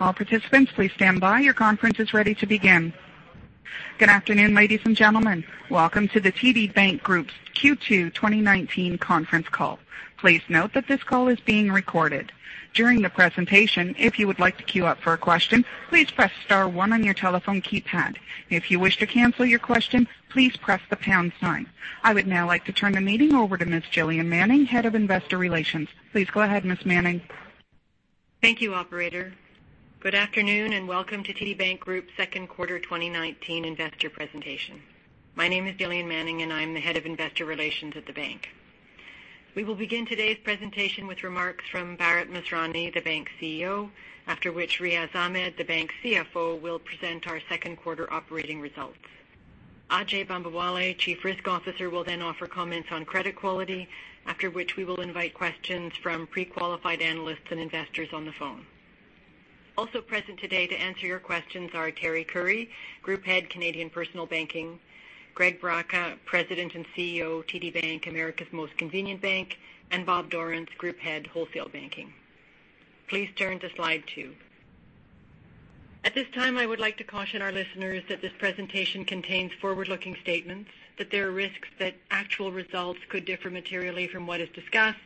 All participants, please stand by. Your conference is ready to begin. Good afternoon, ladies and gentlemen. Welcome to the TD Bank Group's Q2 2019 conference call. Please note that this call is being recorded. During the presentation, if you would like to queue up for a question, please press star one on your telephone keypad. If you wish to cancel your question, please press the pound sign. I would now like to turn the meeting over to Ms. Gillian Manning, Head of Investor Relations. Please go ahead, Ms. Manning. Thank you, operator. Good afternoon, welcome to TD Bank Group's second quarter 2019 investor presentation. My name is Gillian Manning, I'm the Head of Investor Relations at the bank. We will begin today's presentation with remarks from Bharat Masrani, the bank's CEO, after which Riaz Ahmed, the bank's CFO, will present our second quarter operating results. Ajai Bambawale, Chief Risk Officer, will then offer comments on credit quality, after which we will invite questions from pre-qualified analysts and investors on the phone. Also present today to answer your questions are Teri Currie, Group Head, Canadian Personal Banking; Greg Braca, President and CEO, TD Bank, America's Most Convenient Bank; Bob Dorrance, Group Head, Wholesale Banking. Please turn to slide two. At this time, I would like to caution our listeners that this presentation contains forward-looking statements, that there are risks that actual results could differ materially from what is discussed,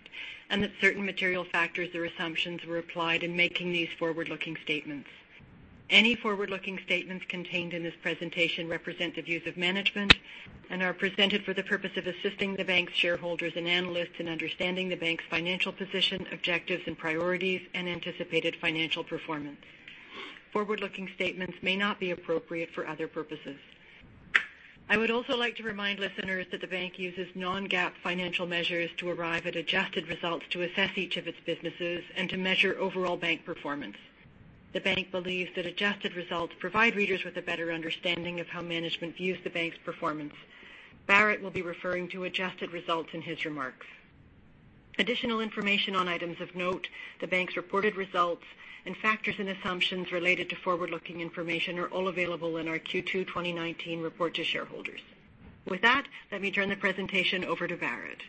that certain material factors or assumptions were applied in making these forward-looking statements. Any forward-looking statements contained in this presentation represent the views of management and are presented for the purpose of assisting the bank's shareholders analysts in understanding the bank's financial position, objectives and priorities, anticipated financial performance. Forward-looking statements may not be appropriate for other purposes. I would also like to remind listeners that the bank uses non-GAAP financial measures to arrive at adjusted results to assess each of its businesses and to measure overall bank performance. The bank believes that adjusted results provide readers with a better understanding of how management views the bank's performance. Bharat will be referring to adjusted results in his remarks. Additional information on items of note, the bank's reported results, factors and assumptions related to forward-looking information are all available in our Q2 2019 report to shareholders. With that, let me turn the presentation over to Bharat.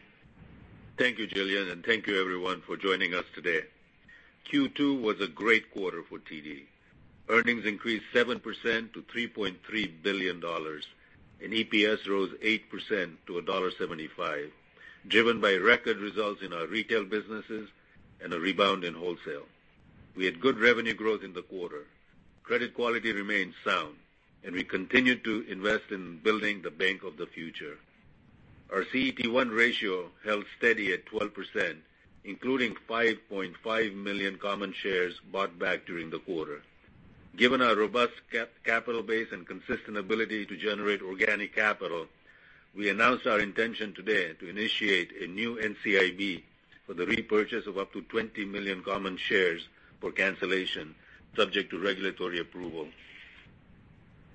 Thank you, Gillian, and thank you everyone for joining us today. Q2 was a great quarter for TD. Earnings increased 7% to 3.3 billion dollars, and EPS rose 8% to dollar 1.75, driven by record results in our retail businesses and a rebound in wholesale. We had good revenue growth in the quarter. Credit quality remains sound, and we continued to invest in building the bank of the future. Our CET1 ratio held steady at 12%, including 5.5 million common shares bought back during the quarter. Given our robust capital base and consistent ability to generate organic capital, we announced our intention today to initiate a new NCIB for the repurchase of up to 20 million common shares for cancellation, subject to regulatory approval.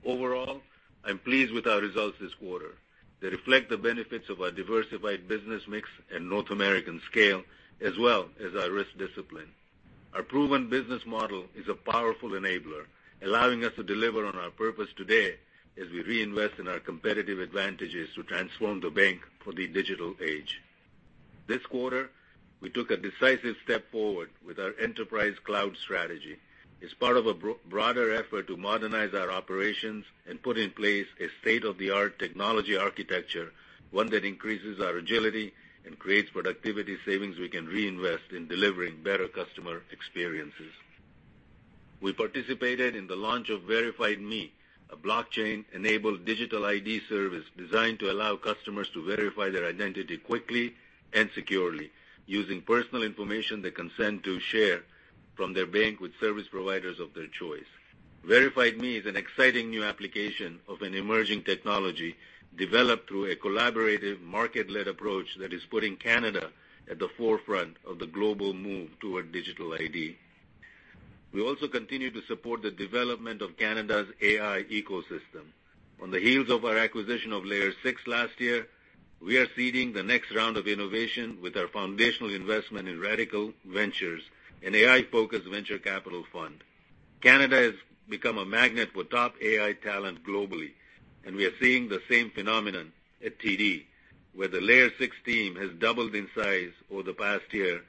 Overall, I am pleased with our results this quarter. They reflect the benefits of our diversified business mix and North American scale, as well as our risk discipline. Our proven business model is a powerful enabler, allowing us to deliver on our purpose today as we reinvest in our competitive advantages to transform the bank for the digital age. This quarter, we took a decisive step forward with our enterprise cloud strategy as part of a broader effort to modernize our operations and put in place a state-of-the-art technology architecture, one that increases our agility and creates productivity savings we can reinvest in delivering better customer experiences. We participated in the launch of Verified.Me, a blockchain-enabled digital ID service designed to allow customers to verify their identity quickly and securely using personal information they consent to share from their bank with service providers of their choice. Verified.Me is an exciting new application of an emerging technology developed through a collaborative, market-led approach that is putting Canada at the forefront of the global move toward digital ID. We also continue to support the development of Canada's AI ecosystem. On the heels of our acquisition of Layer 6 last year, we are seeding the next round of innovation with our foundational investment in Radical Ventures, an AI-focused venture capital fund. Canada has become a magnet for top AI talent globally, and we are seeing the same phenomenon at TD, where the Layer 6 team has doubled in size over the past year,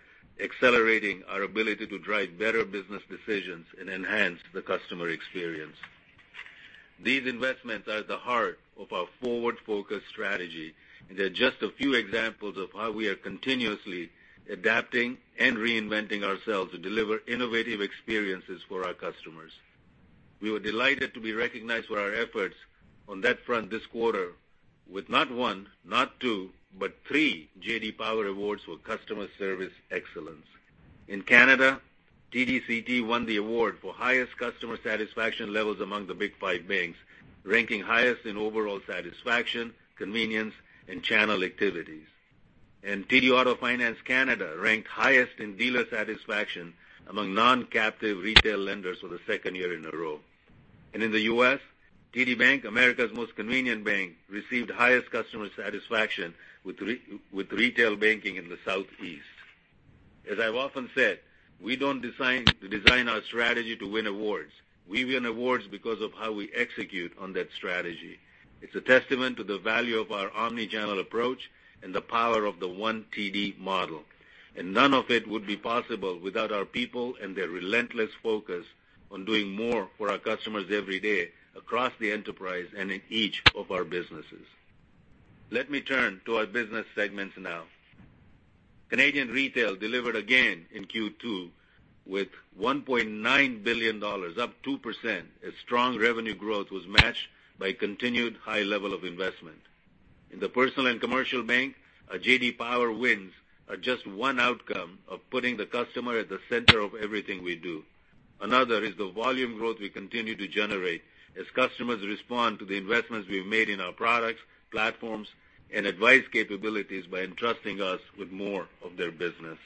accelerating our ability to drive better business decisions and enhance the customer experience. These investments are at the heart of our forward-focused strategy, and they are just a few examples of how we are continuously adapting and reinventing ourselves to deliver innovative experiences for our customers. We were delighted to be recognized for our efforts on that front this quarter with not one, not two, but three J.D. Power awards for customer service excellence. In Canada, TD CT won the award for highest customer satisfaction levels among the Big Five banks, ranking highest in overall satisfaction, convenience, and channel activities. TD Auto Finance Canada ranked highest in dealer satisfaction among non-captive retail lenders for the second year in a row. In the U.S., TD Bank, America's Most Convenient Bank, received highest customer satisfaction with retail banking in the Southeast. As I have often said, we don't design our strategy to win awards. We win awards because of how we execute on that strategy. It is a testament to the value of our omni-channel approach and the power of the one TD model, and none of it would be possible without our people and their relentless focus on doing more for our customers every day across the enterprise and in each of our businesses. Let me turn to our business segments now. Canadian Retail delivered again in Q2 with 1.9 billion dollars, up 2%, as strong revenue growth was matched by continued high level of investment. In the personal and commercial bank, our J.D. Power wins are just one outcome of putting the customer at the center of everything we do. Another is the volume growth we continue to generate as customers respond to the investments we've made in our products, platforms, and advice capabilities by entrusting us with more of their business.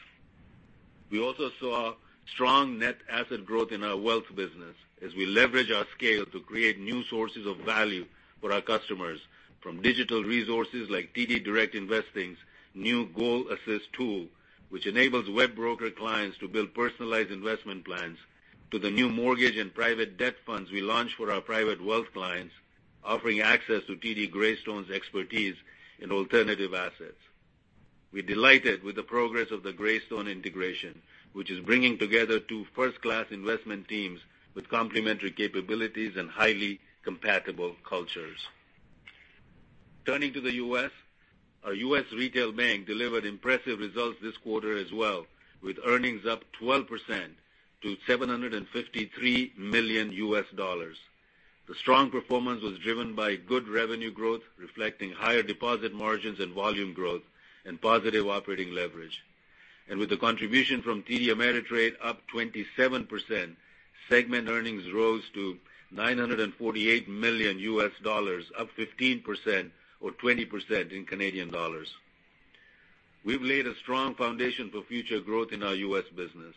We also saw strong net asset growth in our wealth business as we leverage our scale to create new sources of value for our customers from digital resources like TD Direct Investing's new GoalAssist tool, which enables WebBroker clients to build personalized investment plans to the new mortgage and private debt funds we launched for our private wealth clients, offering access to TD Greystone's expertise in alternative assets. We're delighted with the progress of the Greystone integration, which is bringing together two first-class investment teams with complementary capabilities and highly compatible cultures. Turning to the U.S., our U.S. Retail Bank delivered impressive results this quarter as well, with earnings up 12% to $753 million. The strong performance was driven by good revenue growth, reflecting higher deposit margins and volume growth and positive operating leverage. With the contribution from TD Ameritrade up 27%, segment earnings rose to $948 million, up 15% or 20% in CAD. We've laid a strong foundation for future growth in our U.S. business.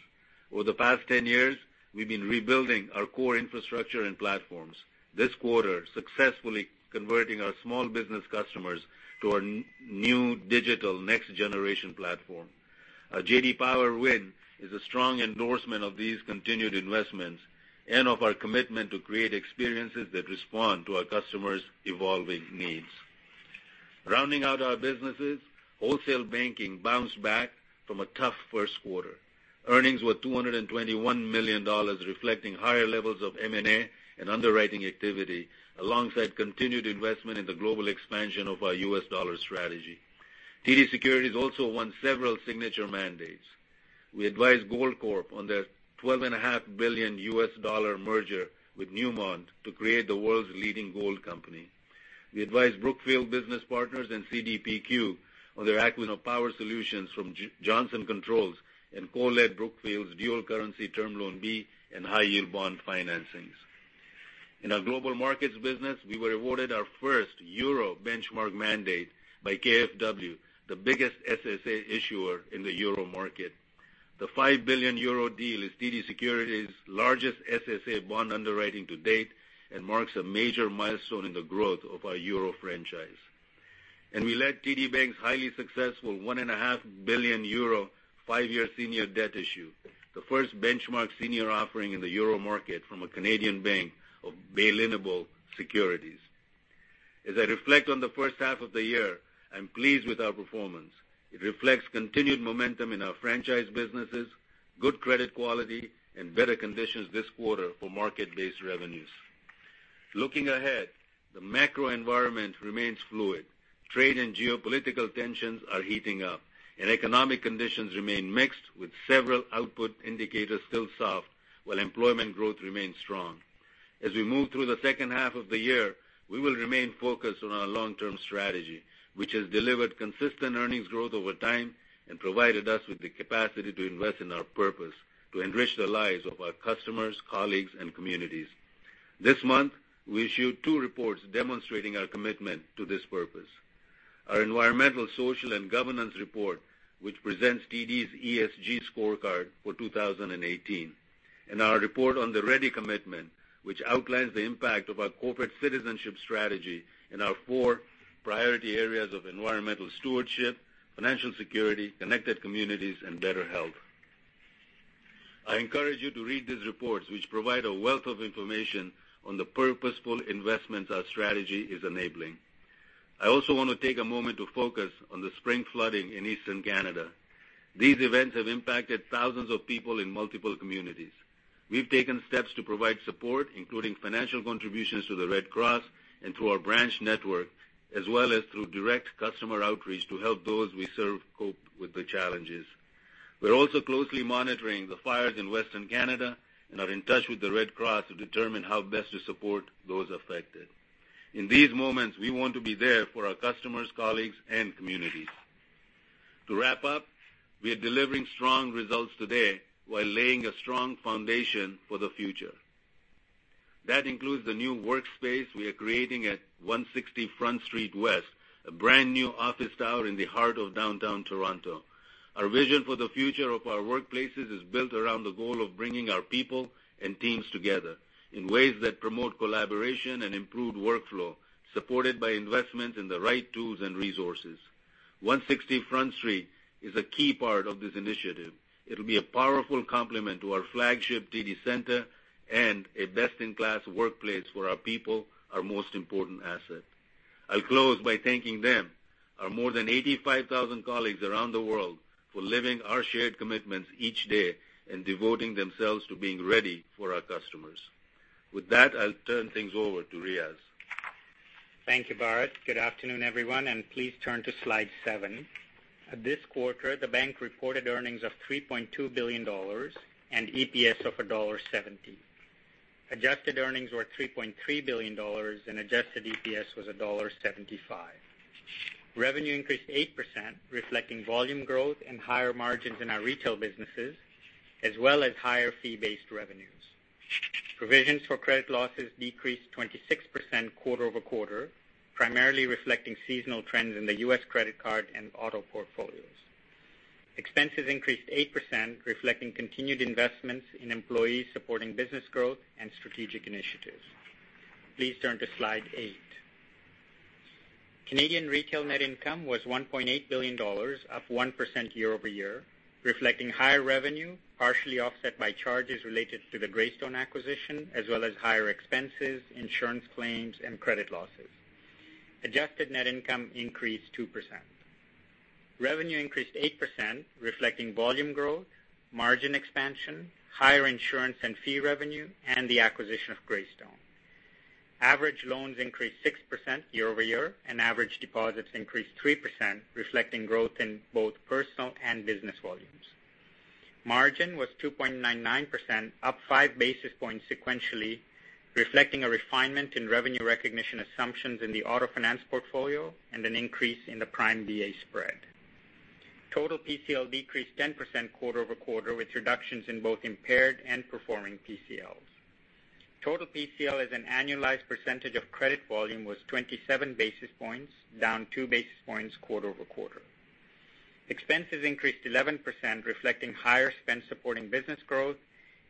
Over the past 10 years, we've been rebuilding our core infrastructure and platforms, this quarter successfully converting our small business customers to our new digital next-generation platform. Our J.D. Power win is a strong endorsement of these continued investments and of our commitment to create experiences that respond to our customers' evolving needs. Rounding out our businesses, Wholesale Banking bounced back from a tough first quarter. Earnings were 221 million dollars, reflecting higher levels of M&A and underwriting activity, alongside continued investment in the global expansion of our U.S. dollar strategy. TD Securities also won several signature mandates. We advised Goldcorp on their $12.5 billion merger with Newmont to create the world's leading gold company. We advised Brookfield Business Partners and CDPQ on their acquisition of Power Solutions from Johnson Controls and co-led Brookfield's dual-currency term loan B and high-yield bond financings. In our Global Markets business, we were awarded our first Euro benchmark mandate by KfW, the biggest SSA issuer in the Euro market. The €5 billion deal is TD Securities' largest SSA bond underwriting to date and marks a major milestone in the growth of our Euro franchise. We led TD Bank's highly successful €1.5 billion five-year senior debt issue, the first benchmark senior offering in the Euro market from a Canadian bank of bail-in-able securities. As I reflect on the first half of the year, I'm pleased with our performance. It reflects continued momentum in our franchise businesses, good credit quality, and better conditions this quarter for market-based revenues. Looking ahead, the macro environment remains fluid. Trade and geopolitical tensions are heating up, and economic conditions remain mixed with several output indicators still soft while employment growth remains strong. As we move through the second half of the year, we will remain focused on our long-term strategy, which has delivered consistent earnings growth over time and provided us with the capacity to invest in our purpose to enrich the lives of our customers, colleagues, and communities. This month, we issued two reports demonstrating our commitment to this purpose. Our environmental, social, and governance report, which presents TD's ESG scorecard for 2018, and our report on the TD Ready Commitment, which outlines the impact of our corporate citizenship strategy in our four priority areas of Environmental Stewardship, Financial Security, Connected Communities, and Better Health. I encourage you to read these reports, which provide a wealth of information on the purposeful investments our strategy is enabling. I also want to take a moment to focus on the spring flooding in Eastern Canada. These events have impacted thousands of people in multiple communities. We've taken steps to provide support, including financial contributions to the Red Cross and to our branch network, as well as through direct customer outreach to help those we serve cope with the challenges. We're also closely monitoring the fires in Western Canada and are in touch with the Red Cross to determine how best to support those affected. In these moments, we want to be there for our customers, colleagues, and communities. To wrap up, we are delivering strong results today while laying a strong foundation for the future. That includes the new workspace we are creating at 160 Front Street West, a brand-new office tower in the heart of downtown Toronto. Our vision for the future of our workplaces is built around the goal of bringing our people and teams together in ways that promote collaboration and improved workflow, supported by investments in the right tools and resources. 160 Front Street is a key part of this initiative. It'll be a powerful complement to our flagship TD Centre and a best-in-class workplace for our people, our most important asset. I'll close by thanking them, our more than 85,000 colleagues around the world, for living our shared commitments each day and devoting themselves to being ready for our customers. With that, I'll turn things over to Riaz. Thank you, Bharat. Good afternoon, everyone, and please turn to Slide 7. This quarter, the bank reported earnings of 3.2 billion dollars and EPS of dollar 1.70. Adjusted earnings were 3.3 billion dollars, and adjusted EPS was dollar 1.75. Revenue increased 8%, reflecting volume growth and higher margins in our retail businesses, as well as higher fee-based revenues. Provisions for credit losses decreased 26% quarter-over-quarter, primarily reflecting seasonal trends in the U.S. credit card and auto portfolios. Expenses increased 8%, reflecting continued investments in employees supporting business growth and strategic initiatives. Please turn to Slide 8. Canadian Retail net income was 1.8 billion dollars, up 1% year-over-year, reflecting higher revenue, partially offset by charges related to the Greystone acquisition, as well as higher expenses, insurance claims, and credit losses. Adjusted net income increased 2%. Revenue increased 8%, reflecting volume growth, margin expansion, higher insurance and fee revenue, and the acquisition of Greystone. Average loans increased 6% year-over-year, and average deposits increased 3%, reflecting growth in both personal and business volumes. Margin was 2.99%, up five basis points sequentially, reflecting a refinement in revenue recognition assumptions in the auto finance portfolio and an increase in the prime-BA spread. Total PCL decreased 10% quarter-over-quarter, with reductions in both impaired and performing PCLs. Total PCL as an annualized percentage of credit volume was 27 basis points, down two basis points quarter-over-quarter. Expenses increased 11%, reflecting higher spend supporting business growth,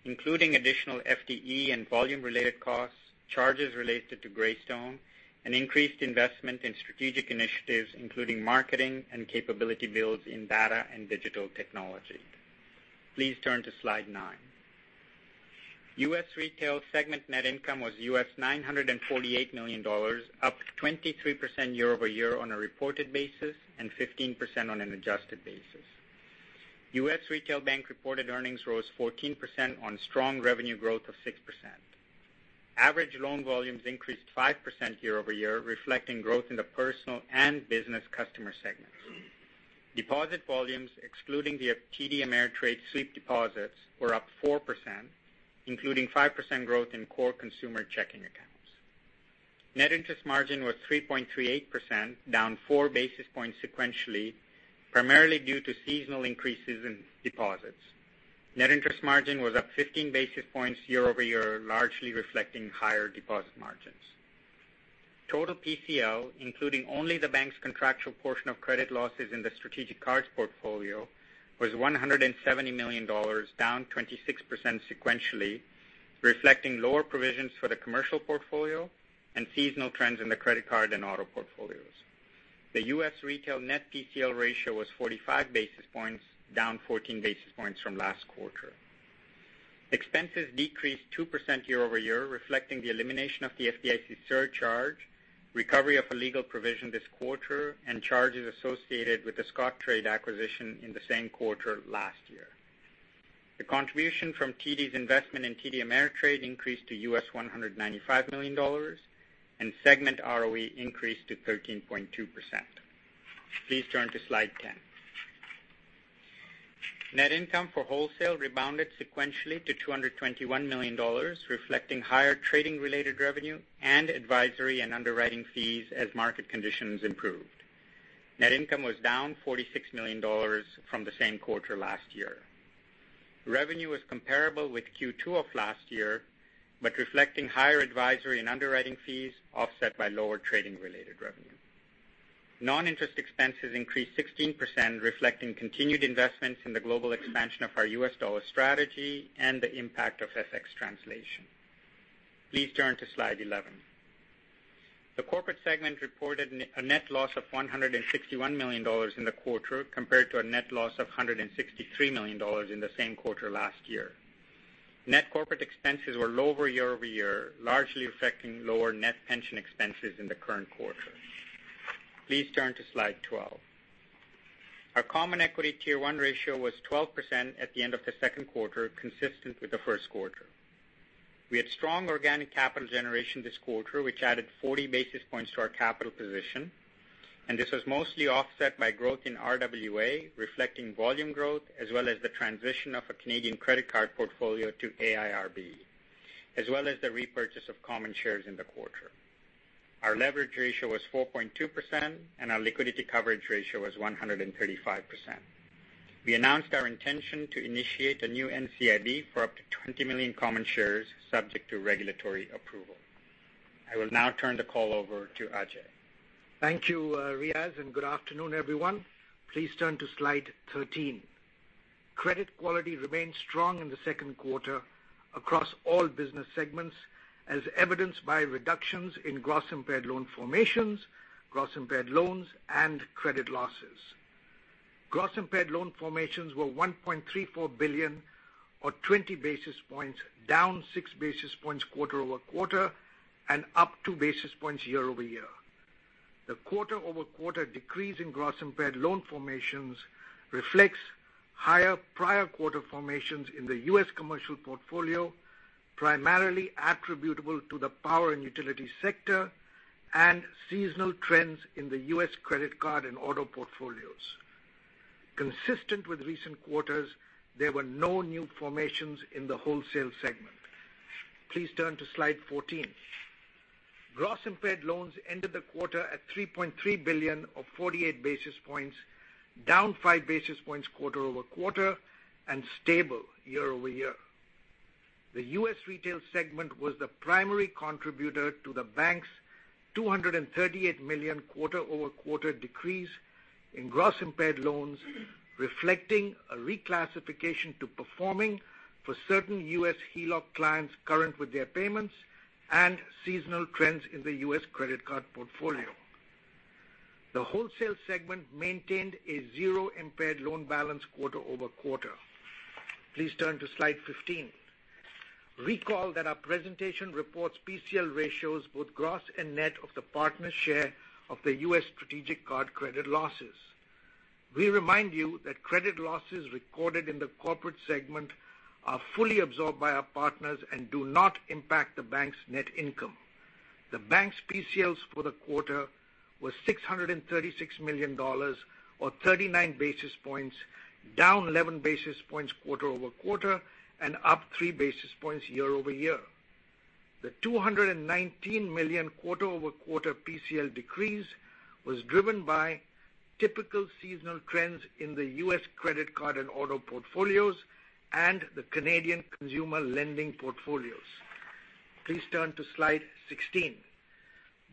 including additional FTE and volume-related costs, charges related to Greystone, and increased investment in strategic initiatives, including marketing and capability builds in data and digital technology. Please turn to Slide 9. U.S. Retail segment net income was US $948 million, up 23% year-over-year on a reported basis and 15% on an adjusted basis. U.S. Retail Bank reported earnings rose 14% on strong revenue growth of 6%. Average loan volumes increased 5% year-over-year, reflecting growth in the personal and business customer segments. Deposit volumes, excluding the TD Ameritrade sweep deposits, were up 4%, including 5% growth in core consumer checking accounts. Net interest margin was 3.38%, down four basis points sequentially, primarily due to seasonal increases in deposits. Net interest margin was up 15 basis points year-over-year, largely reflecting higher deposit margins. Total PCL, including only the bank's contractual portion of credit losses in the strategic cards portfolio, was $170 million, down 26% sequentially, reflecting lower provisions for the commercial portfolio and seasonal trends in the credit card and auto portfolios. The U.S. Retail net PCL ratio was 45 basis points, down 14 basis points from last quarter. Expenses decreased 2% year-over-year, reflecting the elimination of the FDIC surcharge, recovery of a legal provision this quarter, and charges associated with the Scottrade acquisition in the same quarter last year. The contribution from TD's investment in TD Ameritrade increased to US $195 million, and segment ROE increased to 13.2%. Please turn to Slide 10. Net income for Wholesale rebounded sequentially to 221 million dollars, reflecting higher trading-related revenue and advisory and underwriting fees as market conditions improved. Net income was down 46 million dollars from the same quarter last year. Revenue was comparable with Q2 of last year, reflecting higher advisory and underwriting fees offset by lower trading-related revenue. Non-interest expenses increased 16%, reflecting continued investments in the global expansion of our U.S. dollar strategy and the impact of FX translation. Please turn to Slide 11. The corporate segment reported a net loss of 161 million dollars in the quarter, compared to a net loss of 163 million dollars in the same quarter last year. Net corporate expenses were lower year-over-year, largely reflecting lower net pension expenses in the current quarter. Please turn to Slide 12. Our Common Equity Tier 1 ratio was 12% at the end of the second quarter, consistent with the first quarter. We had strong organic capital generation this quarter, which added 40 basis points to our capital position, and this was mostly offset by growth in RWA, reflecting volume growth, as well as the transition of a Canadian credit card portfolio to AIRB, as well as the repurchase of common shares in the quarter. Our leverage ratio was 4.2%, and our liquidity coverage ratio was 135%. We announced our intention to initiate a new NCIB for up to 20 million common shares, subject to regulatory approval. I will now turn the call over to Ajai. Thank you, Riaz, and good afternoon, everyone. Please turn to Slide 13. Credit quality remains strong in the second quarter across all business segments, as evidenced by reductions in gross impaired loan formations, gross impaired loans, and credit losses. Gross impaired loan formations were 1.34 billion, or 20 basis points down six basis points quarter-over-quarter, and up two basis points year-over-year. The quarter-over-quarter decrease in gross impaired loan formations reflects higher prior quarter formations in the U.S. commercial portfolio, primarily attributable to the power and utility sector and seasonal trends in the U.S. credit card and auto portfolios. Consistent with recent quarters, there were no new formations in the Wholesale Segment. Please turn to Slide 14. Gross impaired loans ended the quarter at 3.3 billion, or 48 basis points, down five basis points quarter-over-quarter, and stable year-over-year. The U.S. Retail Segment was the primary contributor to the bank's 238 million quarter-over-quarter decrease in gross impaired loans, reflecting a reclassification to performing for certain U.S. HELOC clients current with their payments, and seasonal trends in the U.S. credit card portfolio. The Wholesale Segment maintained a zero impaired loan balance quarter-over-quarter. Please turn to Slide 15. Recall that our presentation reports PCL ratios both gross and net of the partner's share of the U.S. strategic card credit losses. We remind you that credit losses recorded in the corporate segment are fully absorbed by our partners and do not impact the bank's net income. The bank's PCLs for the quarter were 636 million dollars, or 39 basis points, down 11 basis points quarter-over-quarter, and up three basis points year-over-year. The CAD 219 million quarter-over-quarter PCL decrease was driven by typical seasonal trends in the U.S. credit card and auto portfolios and the Canadian consumer lending portfolios. Please turn to slide 16.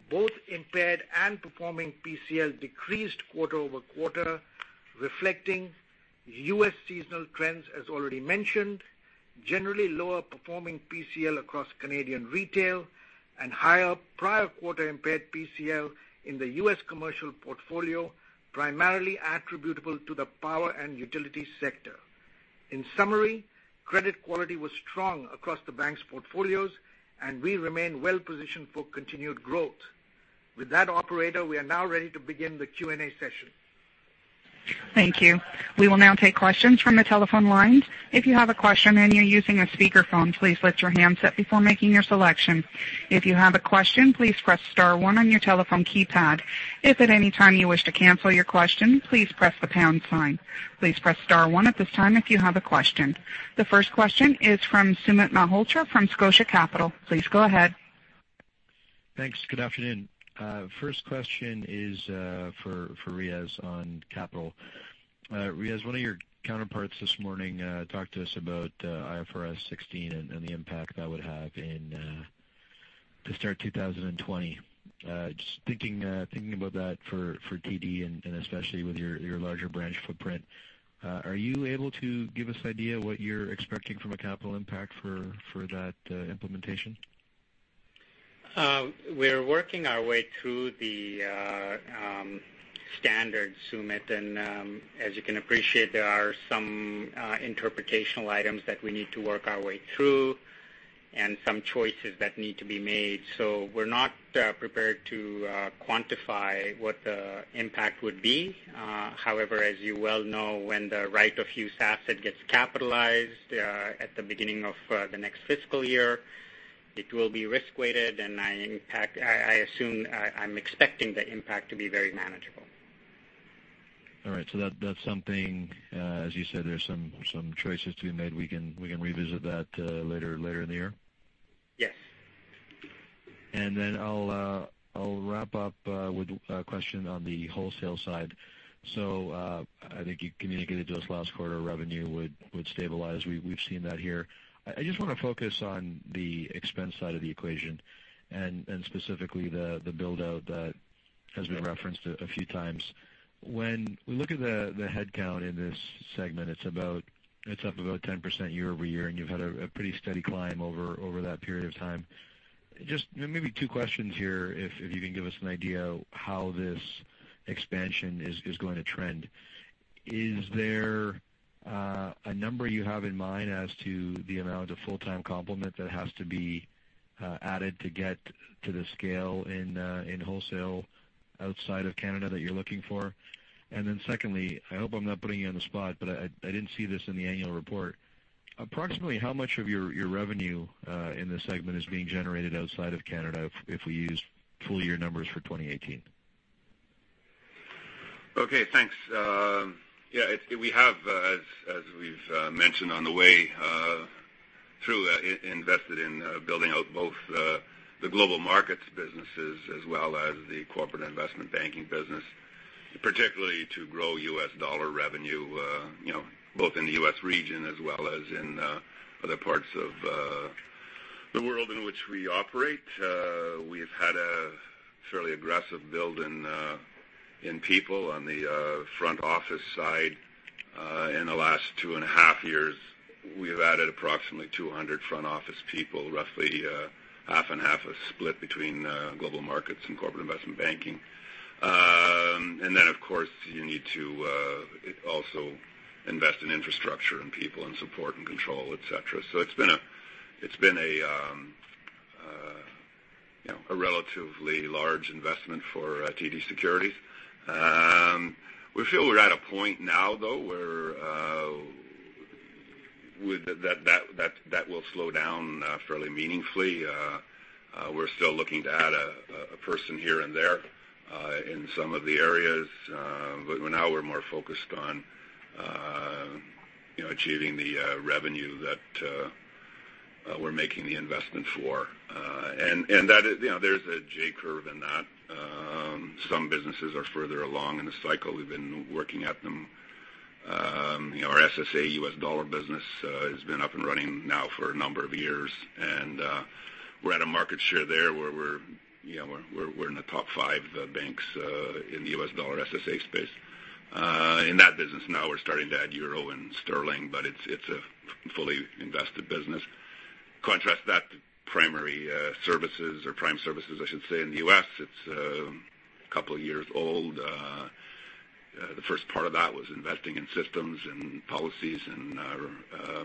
Both impaired and performing PCL decreased quarter-over-quarter, reflecting U.S. seasonal trends as already mentioned, generally lower performing PCL across Canadian retail, and higher prior quarter impaired PCL in the U.S. commercial portfolio, primarily attributable to the power and utility sector. In summary, credit quality was strong across the bank's portfolios, and we remain well-positioned for continued growth. With that, operator, we are now ready to begin the Q&A session. Thank you. We will now take questions from the telephone lines. If you have a question and you're using a speakerphone, please lift your handset before making your selection. If you have a question, please press star one on your telephone keypad. If at any time you wish to cancel your question, please press the pound sign. Please press star one at this time if you have a question. The first question is from Sumit Malhotra from Scotia Capital. Please go ahead. Thanks. Good afternoon. First question is for Riaz on capital. Riaz, one of your counterparts this morning talked to us about IFRS 16 and the impact that would have to start 2020. Just thinking about that for TD and especially with your larger branch footprint, are you able to give us an idea what you're expecting from a capital impact for that implementation? We're working our way through the standards, Sumit. As you can appreciate, there are some interpretational items that we need to work our way through and some choices that need to be made. We're not prepared to quantify what the impact would be. However, as you well know, when the right of use asset gets capitalized at the beginning of the next fiscal year, it will be risk-weighted and I'm expecting the impact to be very manageable. All right. That's something, as you said, there's some choices to be made. We can revisit that later in the year? Yes. I'll wrap up with a question on the Wholesale side. I think you communicated to us last quarter revenue would stabilize. We've seen that here. I just want to focus on the expense side of the equation and specifically the build-out that has been referenced a few times. When we look at the headcount in this segment, it's up about 10% year-over-year, and you've had a pretty steady climb over that period of time. Just maybe two questions here, if you can give us an idea how this expansion is going to trend. Is there a number you have in mind as to the amount of full-time complement that has to be added to get to the scale in Wholesale outside of Canada that you're looking for? Secondly, I hope I'm not putting you on the spot, but I didn't see this in the annual report. Approximately how much of your revenue in this segment is being generated outside of Canada if we use full-year numbers for 2018? Okay, thanks. Yeah, we have, as we've mentioned on the way through, invested in building out both the global markets businesses as well as the corporate investment banking business, particularly to grow U.S. dollar revenue both in the U.S. region as well as in other parts of The world in which we operate, we've had a fairly aggressive build in people on the front office side in the last two and a half years. We've added approximately 200 front office people, roughly half and half a split between global markets and corporate investment banking. Of course, you need to also invest in infrastructure and people and support and control, et cetera. It's been a relatively large investment for TD Securities. We feel we're at a point now, though, where that will slow down fairly meaningfully. We're still looking to add a person here and there in some of the areas, but now we're more focused on achieving the revenue that we're making the investment for. There's a J curve in that. Some businesses are further along in the cycle. We've been working at them. Our SSA U.S. dollar business has been up and running now for a number of years, and we're at a market share there where we're in the top five banks in the U.S. dollar SSA space. In that business now we're starting to add euro and sterling, but it's a fully invested business. Contrast that to prime services, I should say, in the U.S., it's a couple of years old. The first part of that was investing in systems and policies and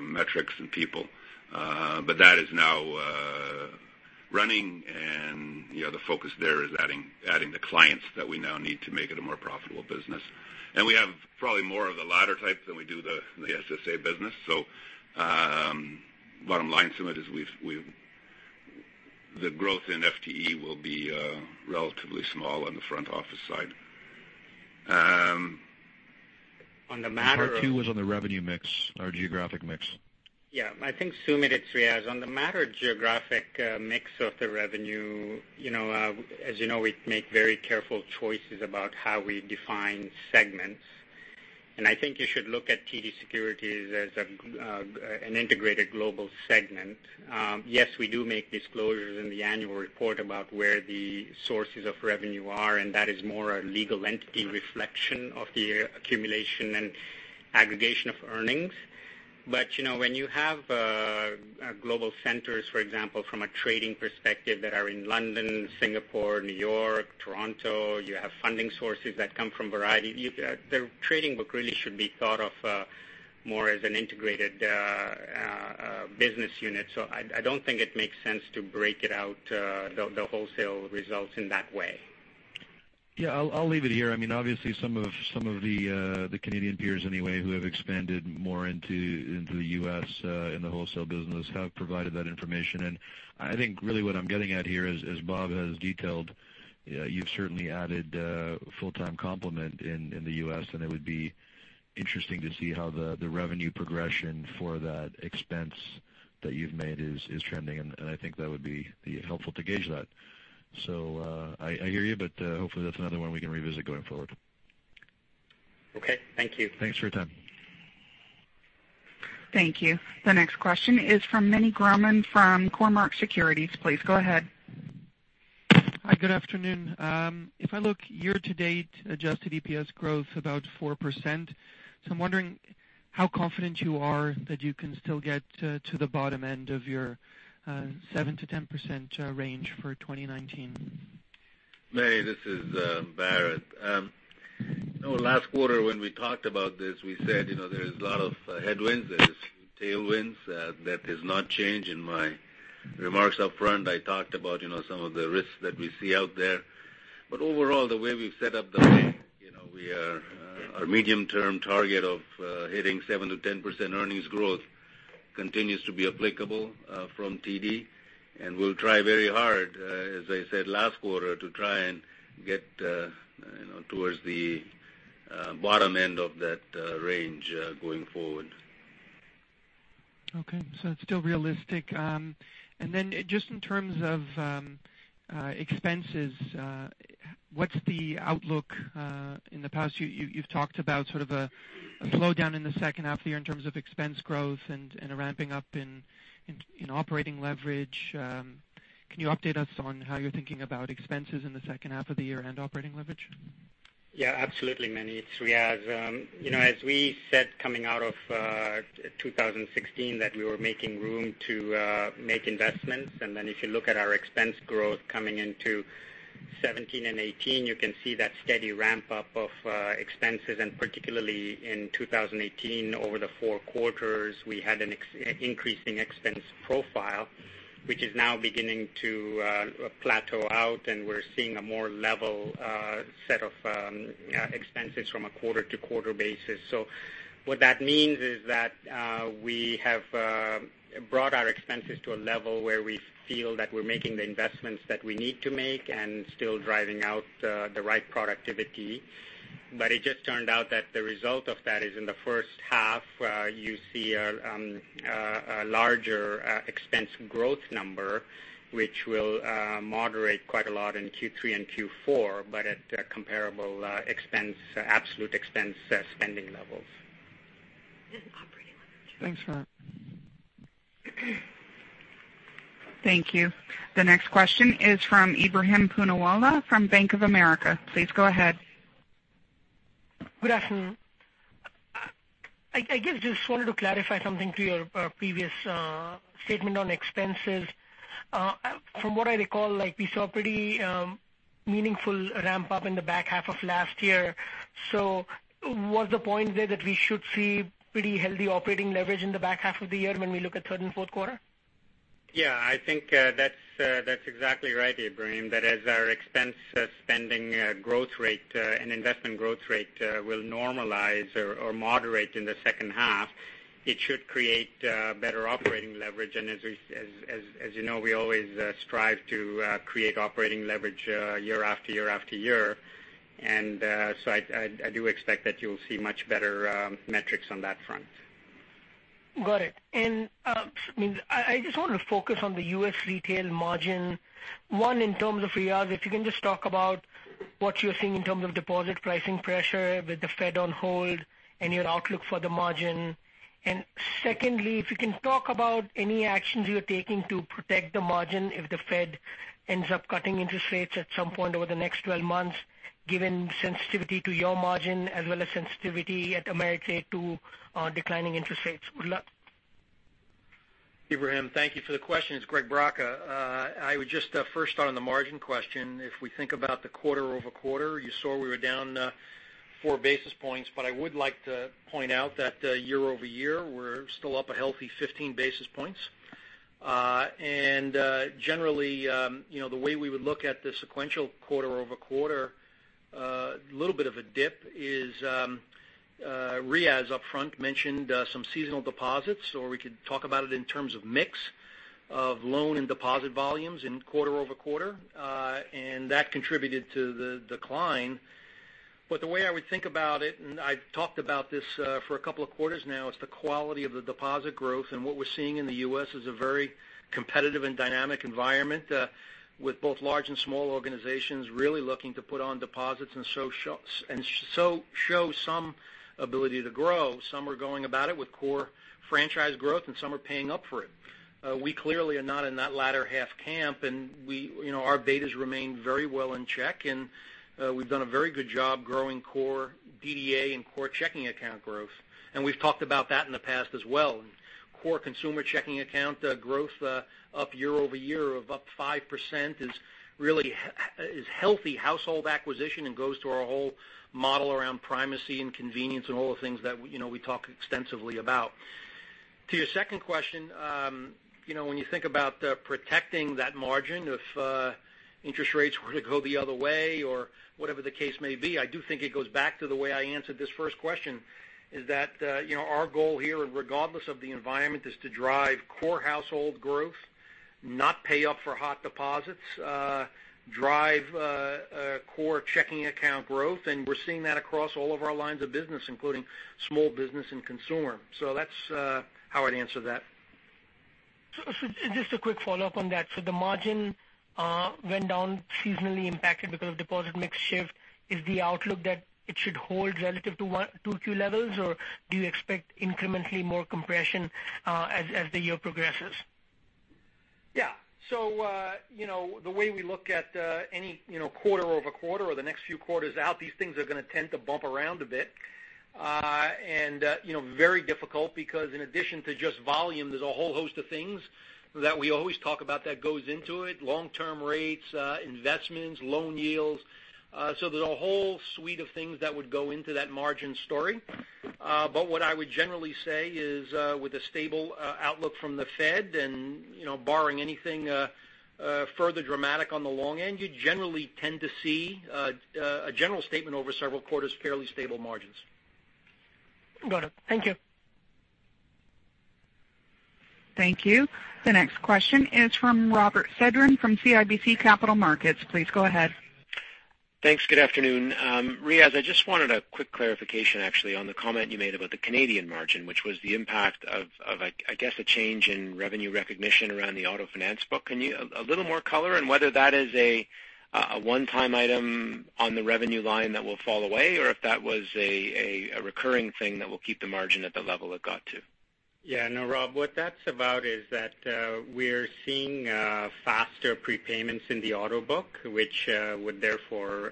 metrics and people. That is now running, and the focus there is adding the clients that we now need to make it a more profitable business. We have probably more of the latter type than we do the SSA business. Bottom line, Sumit, is the growth in FTE will be relatively small on the front office side. On the matter of Part two was on the revenue mix or geographic mix. Yeah. I think, Sumit, it's Riaz. On the matter of geographic mix of the revenue, as you know, we make very careful choices about how we define segments, and I think you should look at TD Securities as an integrated global segment. Yes, we do make disclosures in the annual report about where the sources of revenue are, and that is more a legal entity reflection of the accumulation and aggregation of earnings. When you have global centers, for example, from a trading perspective that are in London, Singapore, New York, Toronto, you have funding sources that come from a variety. The trading book really should be thought of more as an integrated business unit. I don't think it makes sense to break it out the Wholesale results in that way. Yeah, I'll leave it here. Obviously, some of the Canadian peers anyway, who have expanded more into the U.S. in the Wholesale business have provided that information. I think really what I'm getting at here is, as Bob has detailed, you've certainly added full-time complement in the U.S., and it would be interesting to see how the revenue progression for that expense that you've made is trending, and I think that would be helpful to gauge that. I hear you, but hopefully that's another one we can revisit going forward. Okay. Thank you. Thanks for your time. Thank you. The next question is from Meny Grauman from Cormark Securities. Please go ahead. Hi, good afternoon. If I look year to date, adjusted EPS growth about 4%. I'm wondering how confident you are that you can still get to the bottom end of your 7%-10% range for 2019. Meny, this is Bharat. Last quarter when we talked about this, we said there is a lot of headwinds, there is tailwinds. That has not changed. In my remarks up front, I talked about some of the risks that we see out there. Overall, the way we've set up the bank, our medium-term target of hitting 7%-10% earnings growth continues to be applicable from TD, we'll try very hard, as I said last quarter, to try and get towards the bottom end of that range going forward. Okay, it's still realistic. Just in terms of expenses, what's the outlook? In the past, you've talked about sort of a slowdown in the second half of the year in terms of expense growth and a ramping up in operating leverage. Can you update us on how you're thinking about expenses in the second half of the year and operating leverage? Yeah, absolutely, Meny. It's Riaz. As we said, coming out of 2016, that we were making room to make investments, then if you look at our expense growth coming into 2017 and 2018, you can see that steady ramp-up of expenses, and particularly in 2018, over the four quarters, we had an increasing expense profile, which is now beginning to plateau out, and we're seeing a more level set of expenses from a quarter-over-quarter basis. What that means is that we have brought our expenses to a level where we feel that we're making the investments that we need to make and still driving out the right productivity. It just turned out that the result of that is in the first half, you see a larger expense growth number, which will moderate quite a lot in Q3 and Q4, but at comparable absolute expense spending levels. Thanks for that. Thank you. The next question is from Ebrahim Poonawala from Bank of America. Please go ahead. Good afternoon. I just wanted to clarify something to your previous statement on expenses. From what I recall, we saw a pretty meaningful ramp-up in the back half of last year. Was the point there that we should see pretty healthy operating leverage in the back half of the year when we look at third and fourth quarter? Yeah, I think that's exactly right, Ebrahim, that as our expense spending growth rate and investment growth rate will normalize or moderate in the second half, it should create better operating leverage. As you know, we always strive to create operating leverage year after year after year. So I do expect that you'll see much better metrics on that front. Got it. I just want to focus on the U.S. Retail margin. One, in terms of yields, if you can just talk about what you're seeing in terms of deposit pricing pressure with the Fed on hold and your outlook for the margin. Secondly, if you can talk about any actions you're taking to protect the margin if the Fed ends up cutting interest rates at some point over the next 12 months, given sensitivity to your margin as well as sensitivity at Ameritrade to declining interest rates. Good luck. Ebrahim, thank you for the question. It's Greg Braca. I would just first start on the margin question. If we think about the quarter-over-quarter, you saw we were down four basis points, but I would like to point out that year-over-year, we're still up a healthy 15 basis points. Generally, the way we would look at the sequential quarter-over-quarter, little bit of a dip is, Riaz up front mentioned some seasonal deposits, or we could talk about it in terms of mix of loan and deposit volumes in quarter-over-quarter, and that contributed to the decline. The way I would think about it, and I talked about this for a couple of quarters now, is the quality of the deposit growth. What we're seeing in the U.S. is a very competitive and dynamic environment with both large and small organizations really looking to put on deposits and show some ability to grow. Some are going about it with core franchise growth and some are paying up for it. We clearly are not in that latter half camp, and our betas remain very well in check and we've done a very good job growing core DDA and core checking account growth. We've talked about that in the past as well. Core consumer checking account growth up year-over-year of up 5% is healthy household acquisition and goes to our whole model around primacy and convenience and all the things that we talk extensively about. To your second question, when you think about protecting that margin if interest rates were to go the other way or whatever the case may be, I do think it goes back to the way I answered this first question is that our goal here, regardless of the environment, is to drive core household growth, not pay up for hot deposits, drive core checking account growth, and we're seeing that across all of our lines of business, including small business and consumer. That's how I'd answer that. Just a quick follow-up on that. The margin went down seasonally impacted because of deposit mix shift. Is the outlook that it should hold relative to 2Q levels, or do you expect incrementally more compression as the year progresses? Yeah. The way we look at any quarter-over-quarter or the next few quarters out, these things are going to tend to bump around a bit. Very difficult because in addition to just volume, there's a whole host of things that we always talk about that goes into it. Long-term rates, investments, loan yields. There's a whole suite of things that would go into that margin story. What I would generally say is with a stable outlook from the Fed and borrowing anything further dramatic on the long end, you generally tend to see a general statement over several quarters, fairly stable margins. Got it. Thank you. Thank you. The next question is from Robert Sedran from CIBC Capital Markets. Please go ahead. Thanks. Good afternoon. Riaz, I just wanted a quick clarification actually on the comment you made about the Canadian margin, which was the impact of, I guess a change in revenue recognition around the auto finance book. Can you a little more color on whether that is a one-time item on the revenue line that will fall away, or if that was a recurring thing that will keep the margin at the level it got to? Yeah, no, Rob, what that's about is that we're seeing faster prepayments in the auto book, which would therefore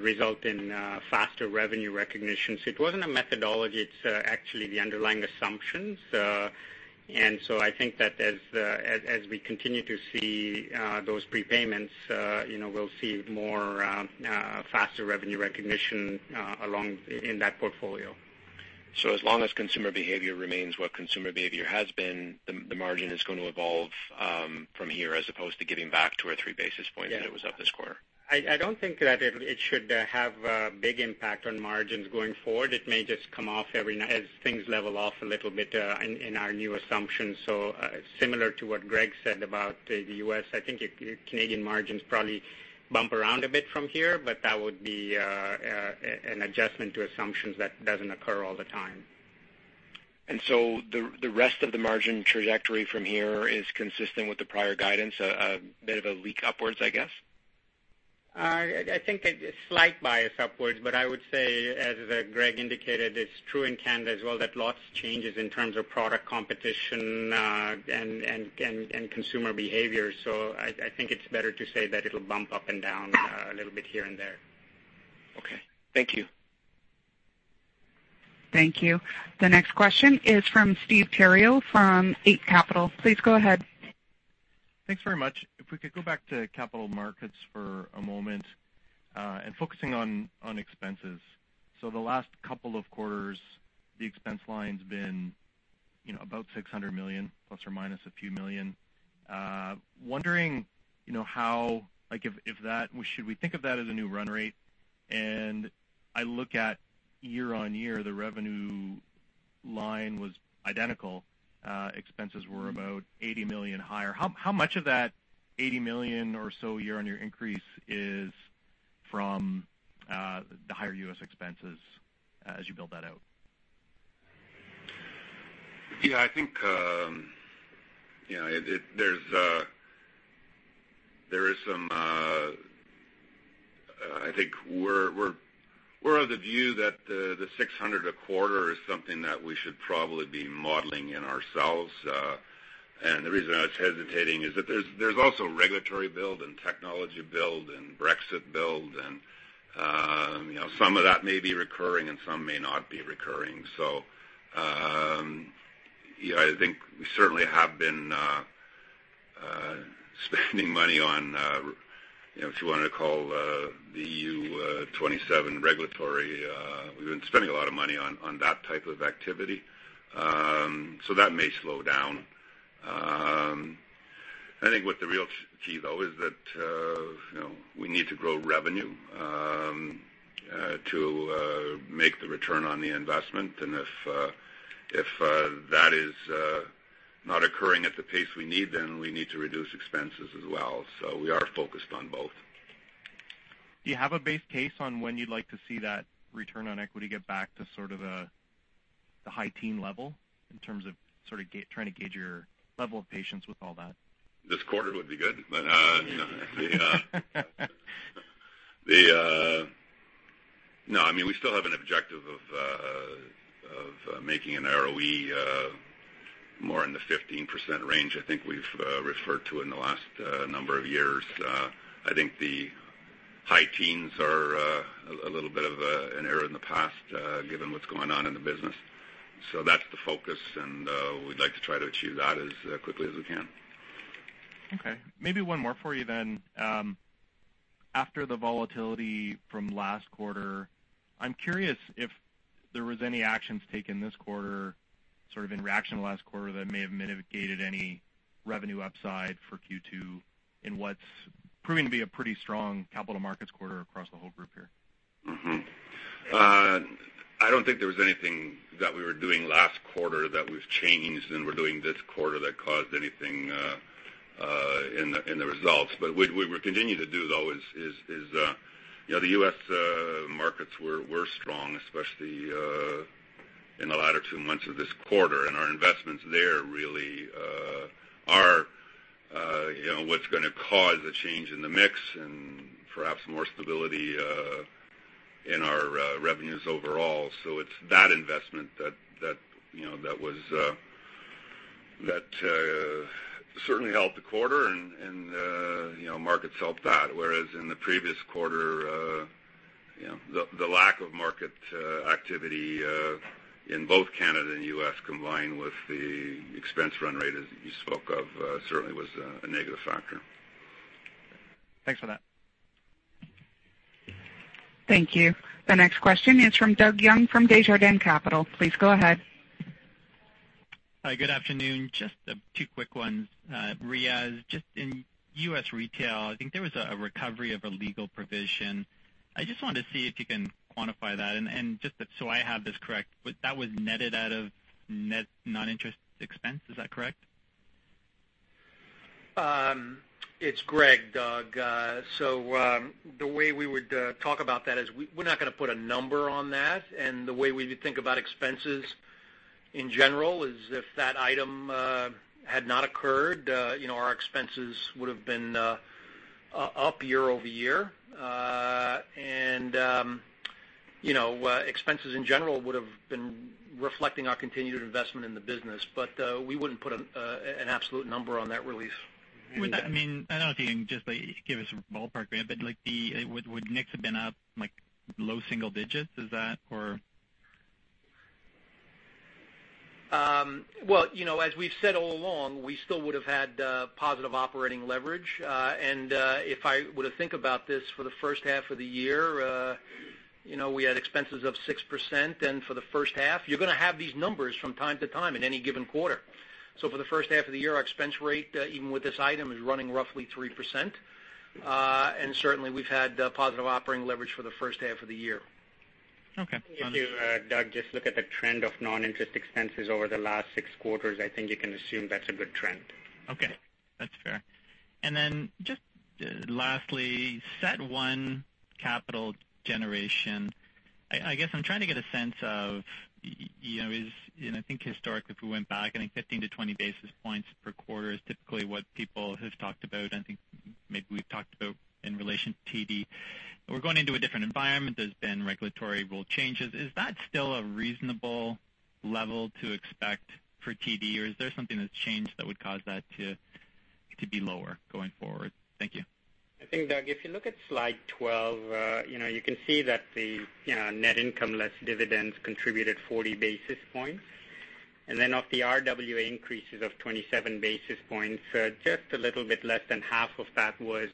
result in faster revenue recognition. It wasn't a methodology, it's actually the underlying assumptions. I think that as we continue to see those prepayments, we'll see more faster revenue recognition along in that portfolio. As long as consumer behavior remains what consumer behavior has been, the margin is going to evolve from here as opposed to giving back two or three basis points that it was up this quarter. I don't think that it should have a big impact on margins going forward. It may just come off every now as things level off a little bit in our new assumptions. Similar to what Greg said about the U.S., I think Canadian margins probably bump around a bit from here, but that would be an adjustment to assumptions that doesn't occur all the time. The rest of the margin trajectory from here is consistent with the prior guidance, a bit of a leak upwards, I guess? I think a slight bias upwards, but I would say, as Greg indicated, it's true in Canada as well that lots changes in terms of product competition and consumer behavior. I think it's better to say that it'll bump up and down a little bit here and there. Okay. Thank you. Thank you. The next question is from Steve Theriault from Eight Capital. Please go ahead. Thanks very much. If we could go back to capital markets for a moment, focusing on expenses. The last couple of quarters, the expense line's been about 600 million plus or minus a few million. Wondering should we think of that as a new run rate? I look at year-over-year, the revenue line was identical. Expenses were about 80 million higher. How much of that 80 million or so year-over-year increase is from the higher U.S. expenses as you build that out? I think we're of the view that the 600 a quarter is something that we should probably be modeling in ourselves. The reason I was hesitating is that there's also regulatory build, technology build, Brexit build, some of that may be recurring and some may not be recurring. I think we certainly have been spending money on, if you want to call the EU 27 regulatory, we've been spending a lot of money on that type of activity. That may slow down. I think what the real key, though, is that we need to grow revenue to make the return on the investment. If that is not occurring at the pace we need, we need to reduce expenses as well. We are focused on both. Do you have a base case on when you'd like to see that return on equity get back to sort of the high-teen level in terms of sort of trying to gauge your level of patience with all that? This quarter would be good. We still have an objective of making an ROE more in the 15% range, I think we've referred to in the last number of years. I think the high teens are a little bit of an error in the past given what's going on in the business. That's the focus, and we'd like to try to achieve that as quickly as we can. Okay. Maybe one more for you then. After the volatility from last quarter, I'm curious if there was any actions taken this quarter sort of in reaction to last quarter that may have mitigated any revenue upside for Q2 in what's proving to be a pretty strong capital markets quarter across the whole group here. I don't think there was anything that we were doing last quarter that we've changed and we're doing this quarter that caused anything in the results. What we continue to do, though, is the U.S. markets were strong, especially in the latter two months of this quarter, and our investments there really are what's going to cause a change in the mix and perhaps more stability in our revenues overall. It's that investment that certainly helped the quarter, and markets helped that. Whereas in the previous quarter the lack of market activity in both Canada and U.S. combined with the expense run rate, as you spoke of, certainly was a negative factor. Thanks for that. Thank you. The next question is from Doug Young from Desjardins Capital. Please go ahead. Hi, good afternoon. Just two quick ones. Riaz, just in U.S. Retail, I think there was a recovery of a legal provision. I just wanted to see if you can quantify that. Just so I have this correct, that was netted out of net non-interest expense. Is that correct? It's Greg, Doug. The way we would talk about that is we're not going to put a number on that. The way we think about expenses in general is if that item had not occurred our expenses would have been up year-over-year. Expenses in general would have been reflecting our continued investment in the business. We wouldn't put an absolute number on that relief. I don't know if you can just give us a ballpark, but would NIX have been up low single digits? As we've said all along, we still would have had positive operating leverage. If I were to think about this for the first half of the year we had expenses of 6% then for the first half. You're going to have these numbers from time to time in any given quarter. For the first half of the year, our expense rate even with this item is running roughly 3%. Certainly, we've had positive operating leverage for the first half of the year. Okay. If you, Doug, just look at the trend of non-interest expenses over the last six quarters, I think you can assume that's a good trend. Okay. That's fair. Just lastly, CET1 capital generation, I guess I'm trying to get a sense of, I think historically, if we went back, I think 15-20 basis points per quarter is typically what people have talked about. I think maybe we've talked about in relation to TD. We're going into a different environment. There's been regulatory rule changes. Is that still a reasonable level to expect for TD, or is there something that's changed that would cause that to be lower going forward? Thank you. I think, Doug, if you look at slide 12, you can see that the net income less dividends contributed 40 basis points. Of the RWA increases of 27 basis points, just a little bit less than half of that was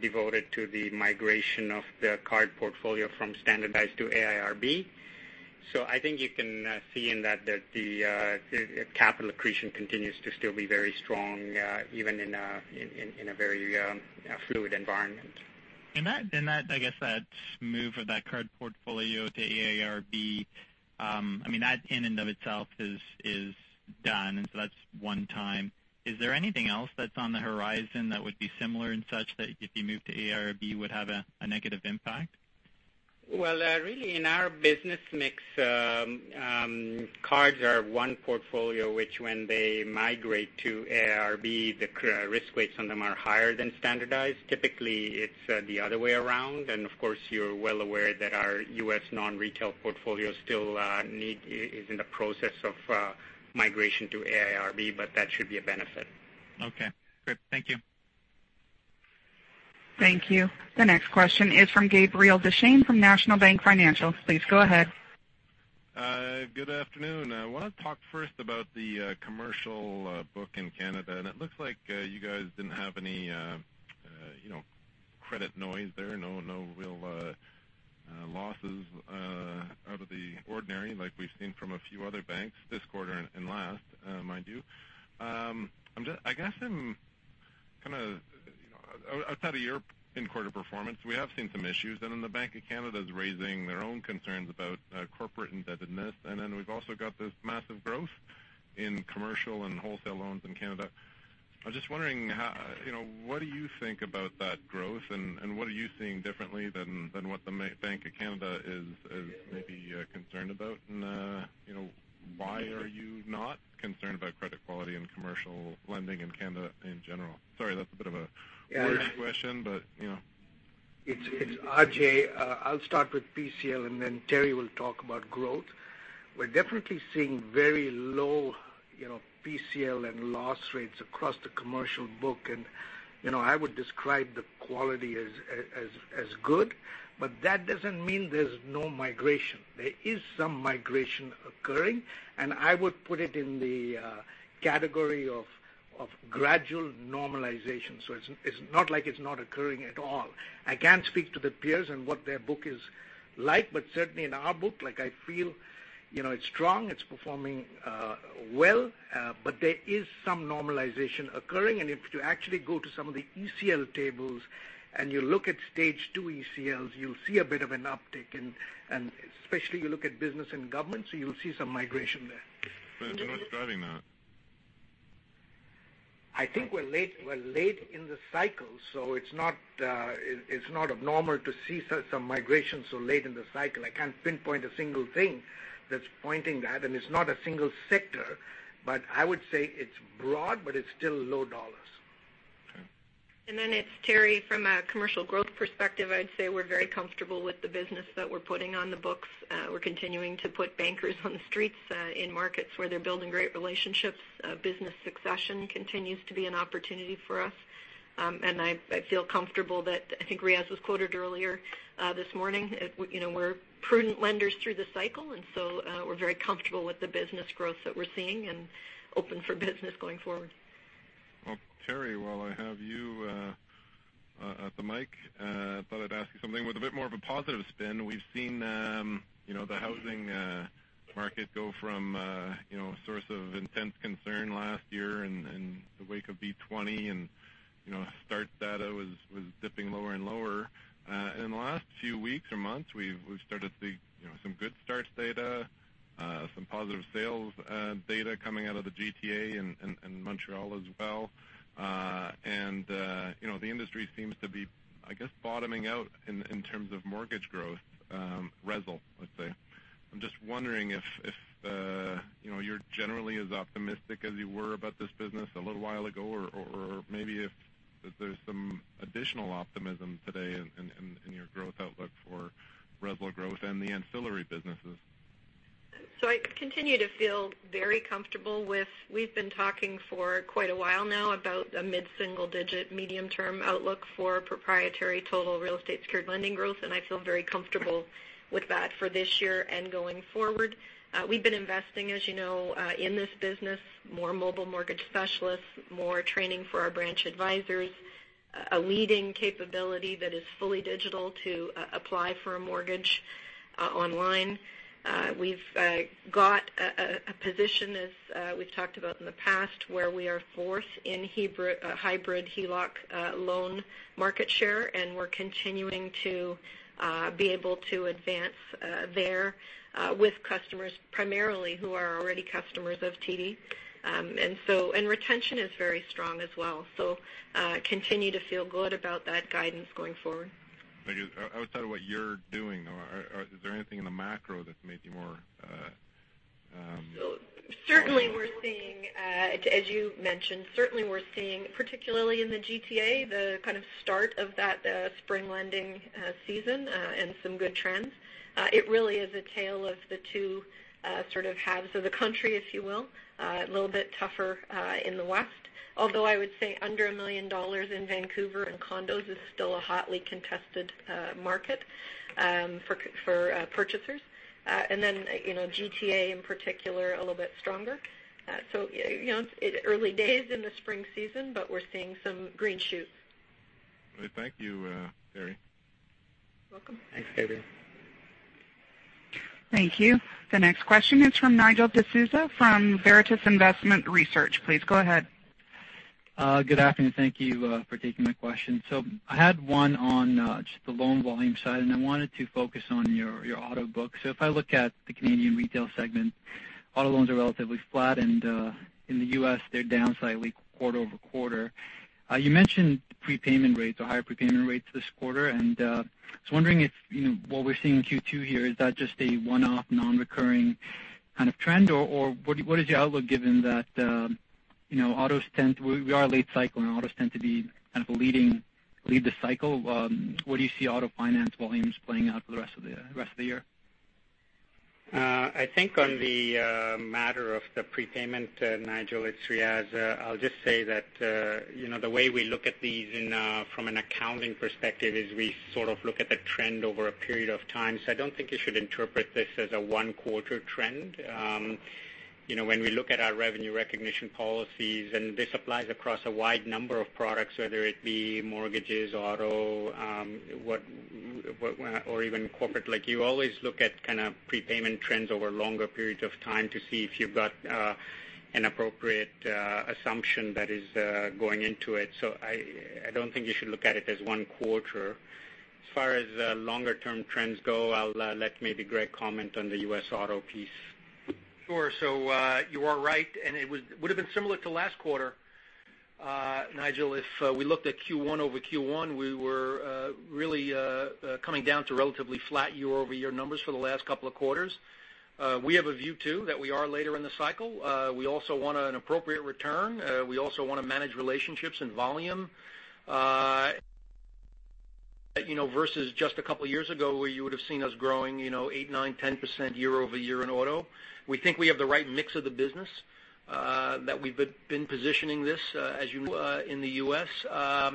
devoted to the migration of the card portfolio from standardized to AIRB. I think you can see in that the capital accretion continues to still be very strong even in a very fluid environment. I guess that move of that card portfolio to AIRB, that in and of itself is done, and so that's one time. Is there anything else that's on the horizon that would be similar in such that if you move to AIRB would have a negative impact? Well, really in our business mix, cards are one portfolio, which when they migrate to AIRB, the risk weights on them are higher than standardized. Typically, it's the other way around. Of course, you're well aware that our U.S. non-retail portfolio still is in the process of migration to AIRB, that should be a benefit. Okay, great. Thank you. Thank you. The next question is from Gabriel Dechaine from National Bank Financial. Please go ahead. Good afternoon. I want to talk first about the commercial book in Canada, it looks like you guys didn't have any credit noise there, no real losses out of the ordinary like we've seen from a few other banks this quarter and last, mind you. Outside of your in-quarter performance, we have seen some issues, then the Bank of Canada is raising their own concerns about corporate indebtedness, then we've also got this massive growth in commercial and wholesale loans in Canada. I was just wondering, what do you think about that growth, what are you seeing differently than what the Bank of Canada is maybe concerned about, why are you not concerned about credit quality and commercial lending in Canada in general? Sorry, that's a bit of a wordy question. It's Ajai. Then Teri will talk about growth. We're definitely seeing very low PCL and loss rates across the commercial book, and I would describe the quality as good, but that doesn't mean there's no migration. There is some migration occurring, and I would put it in the category of gradual normalization. It's not like it's not occurring at all. I can't speak to the peers and what their book is like, but certainly in our book, I feel it's strong, it's performing well but there is some normalization occurring. If you actually go to some of the ECL tables and you look at stage 2 ECLs, you'll see a bit of an uptick, and especially you look at business and government, you'll see some migration there. What's driving that? I think we're late in the cycle, so it's not abnormal to see some migration so late in the cycle. I can't pinpoint a single thing that's pointing that, and it's not a single sector, but I would say it's broad, but it's still low dollars. Okay. Then it's Teri. From a commercial growth perspective, I'd say we're very comfortable with the business that we're putting on the books. We're continuing to put bankers on the streets in markets where they're building great relationships. Business succession continues to be an opportunity for us. I feel comfortable that, I think Riaz was quoted earlier this morning, we're prudent lenders through the cycle, and so we're very comfortable with the business growth that we're seeing and open for business going forward. Well, Teri, while I have you at the mic, I thought I'd ask you something with a bit more of a positive spin. We've seen the housing market go from a source of intense concern last year in the wake of B20, start data was dipping lower and lower. In the last few weeks or months, we've started to see some good start data, some positive sales data coming out of the GTA, and Montreal as well. The industry seems to be, I guess, bottoming out in terms of mortgage growth, RESL, let's say. I'm just wondering if you're generally as optimistic as you were about this business a little while ago or maybe if there's some additional optimism today in your growth outlook for RESL growth and the ancillary businesses. I continue to feel very comfortable with, we've been talking for quite a while now about a mid-single-digit medium-term outlook for proprietary total real estate secured lending growth, I feel very comfortable with that for this year and going forward. We've been investing, as you know, in this business, more mobile mortgage specialists, more training for our branch advisors, a leading capability that is fully digital to apply for a mortgage online. We've got a position, as we've talked about in the past, where we are fourth in hybrid HELOC loan market share, and we're continuing to be able to advance there with customers primarily who are already customers of TD. Retention is very strong as well. Continue to feel good about that guidance going forward. Thank you. Outside of what you're doing, is there anything in the macro that's maybe more Certainly we're seeing, as you mentioned, certainly we're seeing, particularly in the GTA, the kind of start of that spring lending season, some good trends. It really is a tale of the two sort of halves of the country, if you will. A little bit tougher in the West, although I would say under 1 million dollars in Vancouver in condos is still a hotly contested market for purchasers. Then GTA in particular, a little bit stronger. Early days in the spring season, but we're seeing some green shoots. Thank you, Teri. You're welcome. Thanks, Teri. Thank you. The next question is from Nigel D'Souza from Veritas Investment Research. Please go ahead. Good afternoon. Thank you for taking my question. I had one on just the loan volume side, and I wanted to focus on your auto book. If I look at the Canadian retail segment, auto loans are relatively flat, and in the U.S. they're down slightly quarter-over-quarter. You mentioned prepayment rates or higher prepayment rates this quarter. I was wondering if what we're seeing in Q2 here, is that just a one-off non-recurring kind of trend? What is your outlook given that we are late cycle and autos tend to be kind of a lead the cycle. Where do you see auto finance volumes playing out for the rest of the year? I think on the matter of the prepayment, Nigel, it's Riaz. I'll just say that the way we look at these from an accounting perspective is we sort of look at the trend over a period of time. I don't think you should interpret this as a one-quarter trend. When we look at our revenue recognition policies, and this applies across a wide number of products, whether it be mortgages, auto or even corporate. You always look at kind of prepayment trends over longer periods of time to see if you've got an appropriate assumption that is going into it. I don't think you should look at it as one quarter. As far as longer term trends go, I'll let maybe Greg comment on the U.S. Auto piece. Sure. You are right, and it would have been similar to last quarter, Nigel, if we looked at Q1 over Q1. We were really coming down to relatively flat year-over-year numbers for the last couple of quarters. We have a view too that we are later in the cycle. We also want an appropriate return. We also want to manage relationships and volume versus just a couple of years ago where you would have seen us growing 8, 9, 10% year-over-year in auto. We think we have the right mix of the business that we've been positioning this as you in the U.S. I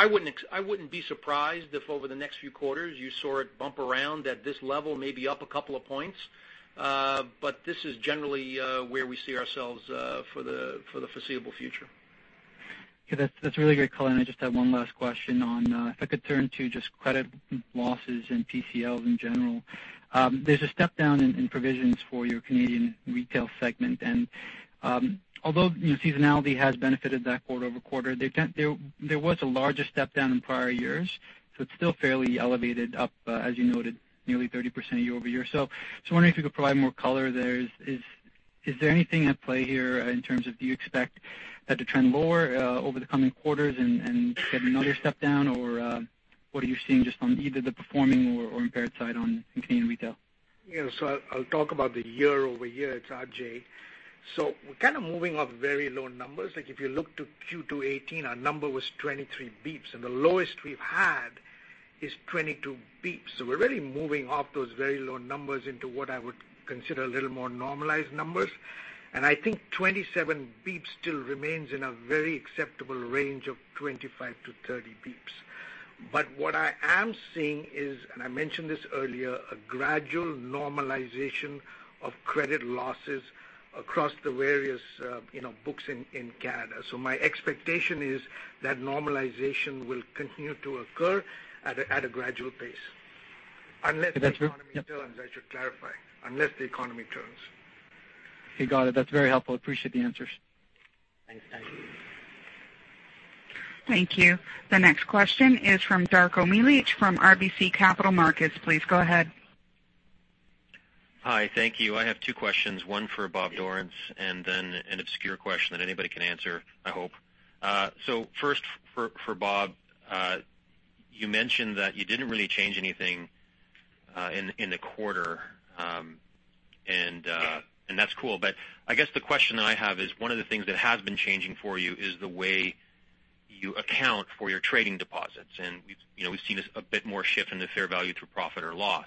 wouldn't be surprised if over the next few quarters you saw it bump around at this level, maybe up a couple of points. This is generally where we see ourselves for the foreseeable future. Okay. That's really great color. I just have one last question on if I could turn to just credit losses and PCLs in general. There's a step down in provisions for your Canadian retail segment, and although seasonality has benefited that quarter-over-quarter, there was a larger step down in prior years, it's still fairly elevated up, as you noted, nearly 30% year-over-year. I was wondering if you could provide more color there. Is there anything at play here in terms of do you expect that to trend lower over the coming quarters and have another step down? What are you seeing just on either the performing or impaired side on Canadian retail? I'll talk about the year-over-year. It's Ajai. We're kind of moving off very low numbers. If you look to Q2 2018, our number was 23 basis points, and the lowest we've had is 22 basis points. We're really moving off those very low numbers into what I would consider a little more normalized numbers. I think 27 basis points still remains in a very acceptable range of 25-30 basis points. What I am seeing is, and I mentioned this earlier, a gradual normalization of credit losses across the various books in Canada. My expectation is that normalization will continue to occur at a gradual pace. Unless the economy turns, I should clarify. Unless the economy turns. Got it. That's very helpful. Appreciate the answers. Thanks, Nigel. Thank you. The next question is from Darko Mihelic from RBC Capital Markets. Please go ahead. Hi. Thank you. I have two questions, one for Bob Dorrance, and then an obscure question that anybody can answer, I hope. First for Bob. You mentioned that you didn't really change anything in the quarter. Yeah. That's cool. I guess the question that I have is one of the things that has been changing for you is the way you account for your trading deposits. We've seen a bit more shift in the fair value through profit or loss.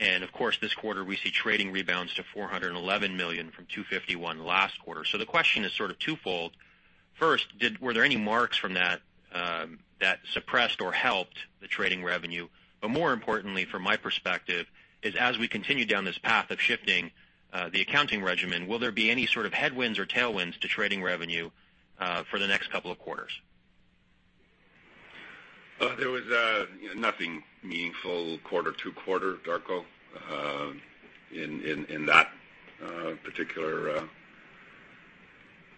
Of course, this quarter we see trading rebounds to 411 million from 251 last quarter. The question is sort of twofold. First, were there any marks from that that suppressed or helped the trading revenue? More importantly from my perspective is as we continue down this path of shifting the accounting regimen, will there be any sort of headwinds or tailwinds to trading revenue for the next couple of quarters? There was nothing meaningful quarter to quarter, Darko in that particular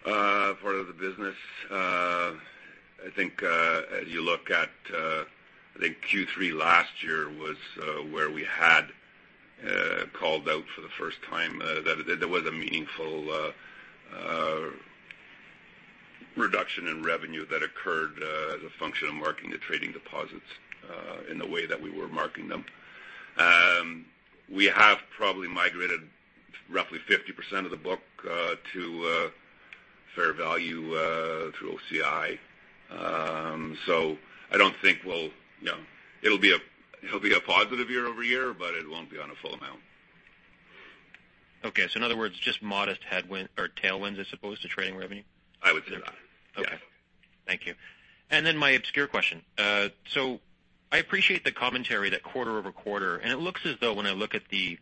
part of the business. I think as you look at Q3 last year was where we had called out for the first time that there was a meaningful in revenue that occurred as a function of marking the trading deposits in the way that we were marking them. We have probably migrated roughly 50% of the book to fair value through OCI. I don't think it'll be a positive year-over-year, but it won't be on a full amount. Okay. In other words, just modest headwinds or tailwinds, I suppose, to trading revenue? I would say that. Okay. Thank you. My obscure question. I appreciate the commentary that quarter-over-quarter, it looks as though when I look at the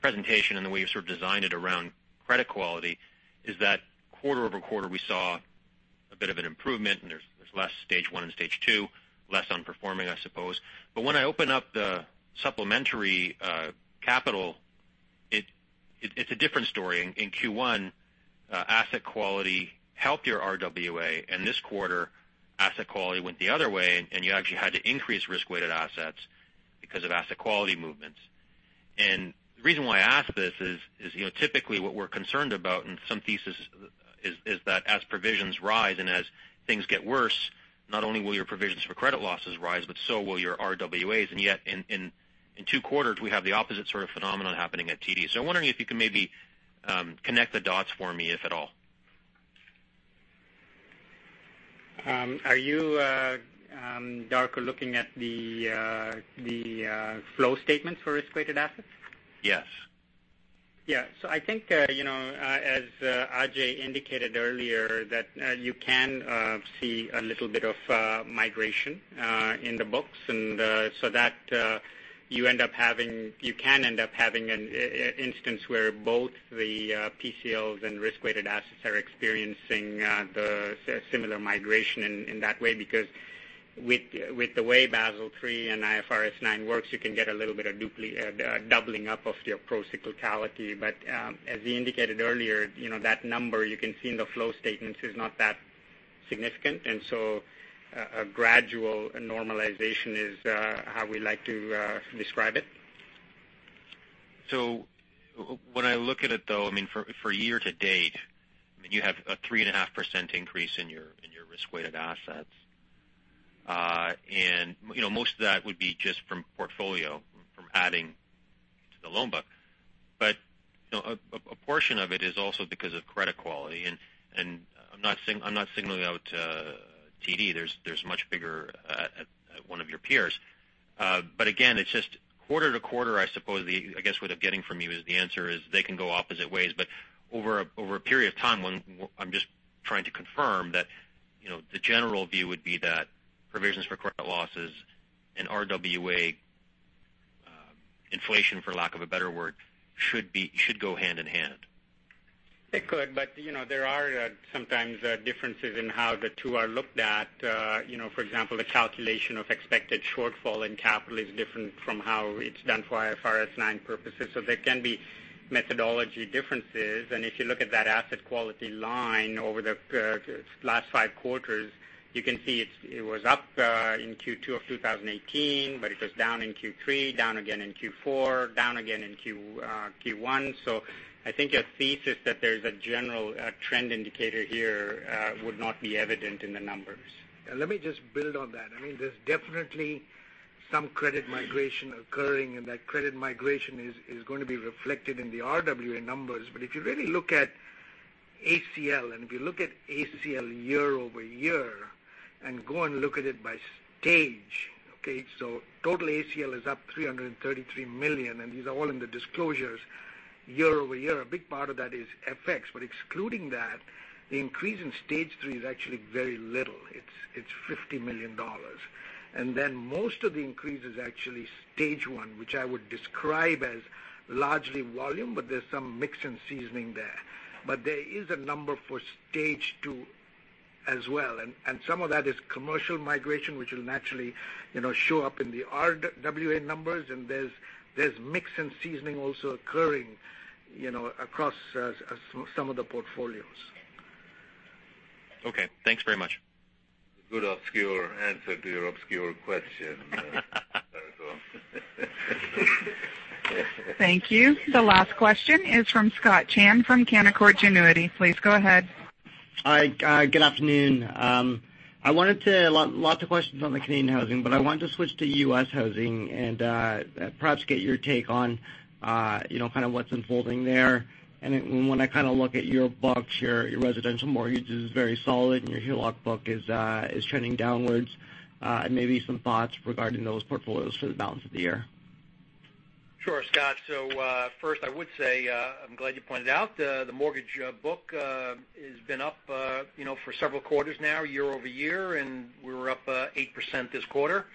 presentation and the way you've sort of designed it around credit quality, is that quarter-over-quarter we saw a bit of an improvement and there's less stage 1 and stage 2, less underperforming, I suppose. When I open up the supplementary capital, it's a different story. In Q1, asset quality helped your RWA, this quarter, asset quality went the other way, and you actually had to increase risk-weighted assets because of asset quality movements. The reason why I ask this is typically what we're concerned about in some thesis is that as provisions rise and as things get worse, not only will your provisions for credit losses rise, but so will your RWAs. Yet in two quarters, we have the opposite sort of phenomenon happening at TD. I'm wondering if you can maybe connect the dots for me, if at all. Are you, Darko, looking at the flow statements for risk-weighted assets? Yes. As Ajai indicated earlier, you can see a little bit of migration in the books, and you can end up having an instance where both the PCLs and risk-weighted assets are experiencing the similar migration in that way, because with the way Basel III and IFRS 9 works, you can get a little bit of doubling up of your procyclicality. As we indicated earlier, that number you can see in the flow statements is not that significant, and a gradual normalization is how we like to describe it. When I look at it, though, for year-to-date, you have a 3.5% increase in your risk-weighted assets. Most of that would be just from portfolio, from adding to the loan book. A portion of it is also because of credit quality, and I'm not signaling out to TD. There's much bigger at one of your peers. Again, it's just quarter-to-quarter, I suppose, I guess, what I'm getting from you is the answer is they can go opposite ways, but over a period of time, I'm just trying to confirm that the general view would be that provisions for credit losses and RWA inflation, for lack of a better word, should go hand in hand. They could, there are sometimes differences in how the two are looked at. For example, the calculation of expected shortfall in capital is different from how it's done for IFRS 9 purposes. There can be methodology differences. If you look at that asset quality line over the last five quarters, you can see it was up in Q2 of 2018, but it was down in Q3, down again in Q4, down again in Q1. I think your thesis that there's a general trend indicator here would not be evident in the numbers. Let me just build on that. There's definitely some credit migration occurring, and that credit migration is going to be reflected in the RWA numbers. If you really look at ACL, and if you look at ACL year-over-year and go and look at it by stage, okay, total ACL is up 333 million, and these are all in the disclosures year-over-year. A big part of that is FX, but excluding that, the increase in stage 3 is actually very little. It's 50 million dollars. Most of the increase is actually stage 1, which I would describe as largely volume, but there's some mix and seasoning there. There is a number for stage 2 as well, and some of that is commercial migration, which will naturally show up in the RWA numbers, and there's mix and seasoning also occurring across some of the portfolios. Okay, thanks very much. Good obscure answer to your obscure question, Darko. Thank you. The last question is from Scott Chan from Canaccord Genuity. Please go ahead. Hi, good afternoon. Lots of questions on the Canadian housing, I want to switch to U.S. housing and perhaps get your take on kind of what's unfolding there. When I look at your books, your residential mortgage is very solid and your HELOC book is trending downwards. Maybe some thoughts regarding those portfolios for the balance of the year. Sure, Scott. First I would say, I'm glad you pointed out the mortgage book has been up for several quarters now year-over-year, and we were up 8% this quarter.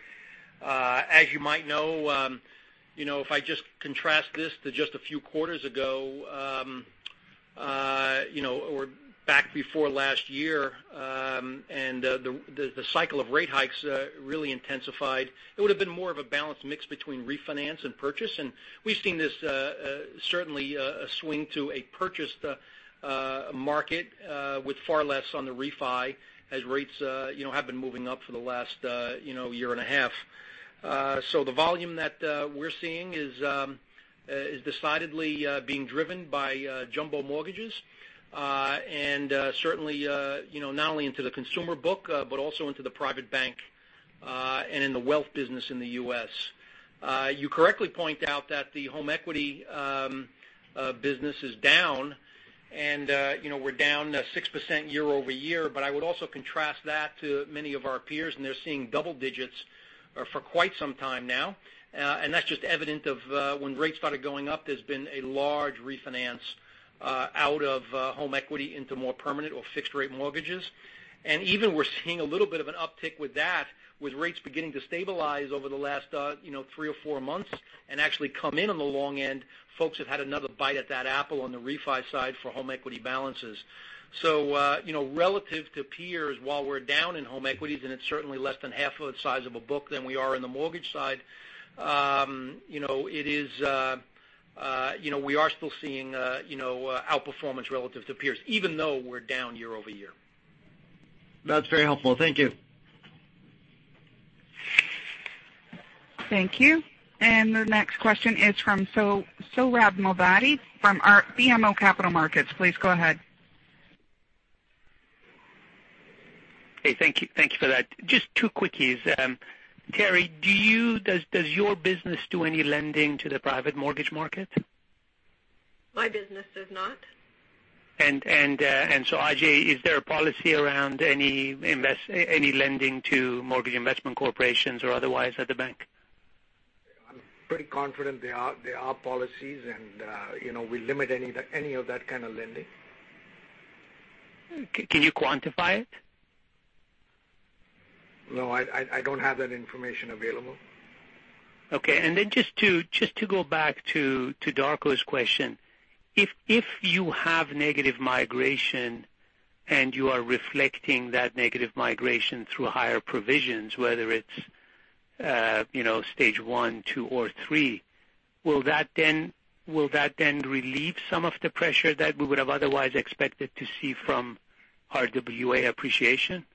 As you might know, if I just contrast this to just a few quarters ago Back before last year, and the cycle of rate hikes really intensified. It would've been more of a balanced mix between refinance and purchase. We've seen this certainly swing to a purchase market with far less on the refi as rates have been moving up for the last year and a half. The volume that we're seeing is decidedly being driven by jumbo mortgages. Certainly not only into the consumer book but also into the private bank, and in the wealth business in the U.S. You correctly point out that the home equity business is down, and we're down 6% year-over-year. I would also contrast that to many of our peers, and they're seeing double digits for quite some time now. That's just evident of when rates started going up, there's been a large refinance out of home equity into more permanent or fixed rate mortgages. Even we're seeing a little bit of an uptick with that, with rates beginning to stabilize over the last three or four months and actually come in on the long end. Folks have had another bite at that apple on the refi side for home equity balances. Relative to peers, while we're down in home equities, and it's certainly less than half of the size of a book than we are in the mortgage side. We are still seeing outperformance relative to peers, even though we're down year-over-year. That's very helpful. Thank you. Thank you. The next question is from Sohrab Movahedi from BMO Capital Markets. Please go ahead. Hey, thank you for that. Just two quickies. Teri, does your business do any lending to the private mortgage market? My business does not. Ajai, is there a policy around any lending to mortgage investment corporations or otherwise at the bank? I'm pretty confident there are policies and we limit any of that kind of lending. Can you quantify it? No, I don't have that information available. Okay. Then just to go back to Darko's question, if you have negative migration and you are reflecting that negative migration through higher provisions, whether it's stage 1, 2, or 3, will that then relieve some of the pressure that we would've otherwise expected to see from RWA appreciation?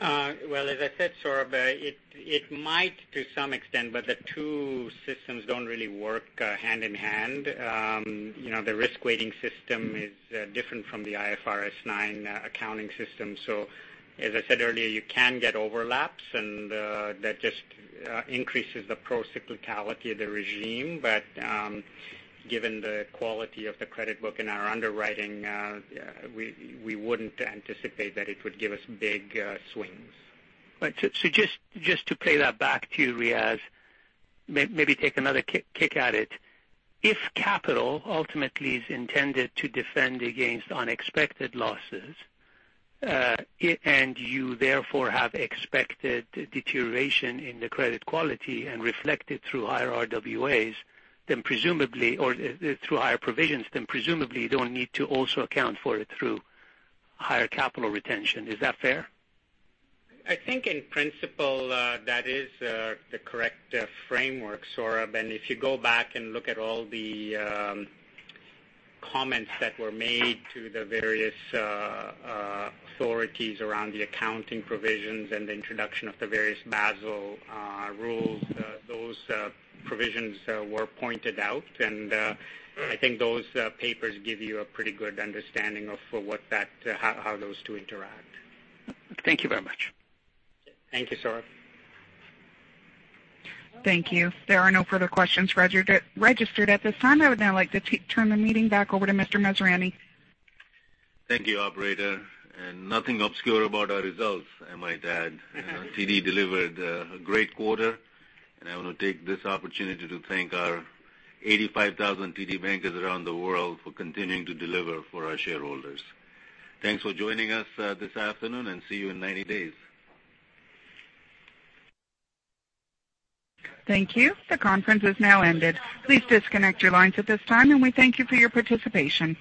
Well, as I said, Saurabh, it might to some extent, the two systems don't really work hand in hand. The risk weighting system is different from the IFRS 9 accounting system. As I said earlier, you can get overlaps, that just increases the pro cyclicality of the regime. Given the quality of the credit book in our underwriting, we wouldn't anticipate that it would give us big swings. Just to play that back to you, Riaz, maybe take another kick at it. If capital ultimately is intended to defend against unexpected losses, you therefore have expected deterioration in the credit quality and reflected through higher RWAs, or through higher provisions, then presumably you don't need to also account for it through higher capital retention. Is that fair? I think in principle, that is the correct framework, Saurabh. If you go back and look at all the comments that were made to the various authorities around the accounting provisions and the introduction of the various Basel rules, those provisions were pointed out, I think those papers give you a pretty good understanding of how those two interact. Thank you very much. Thank you, Saurabh. Thank you. There are no further questions registered at this time. I would now like to turn the meeting back over to Mr. Masrani. Thank you, operator. Nothing obscure about our results, I might add. TD delivered a great quarter, and I want to take this opportunity to thank our 85,000 TD bankers around the world for continuing to deliver for our shareholders. Thanks for joining us this afternoon, and see you in 90 days. Thank you. The conference has now ended. Please disconnect your lines at this time, and we thank you for your participation.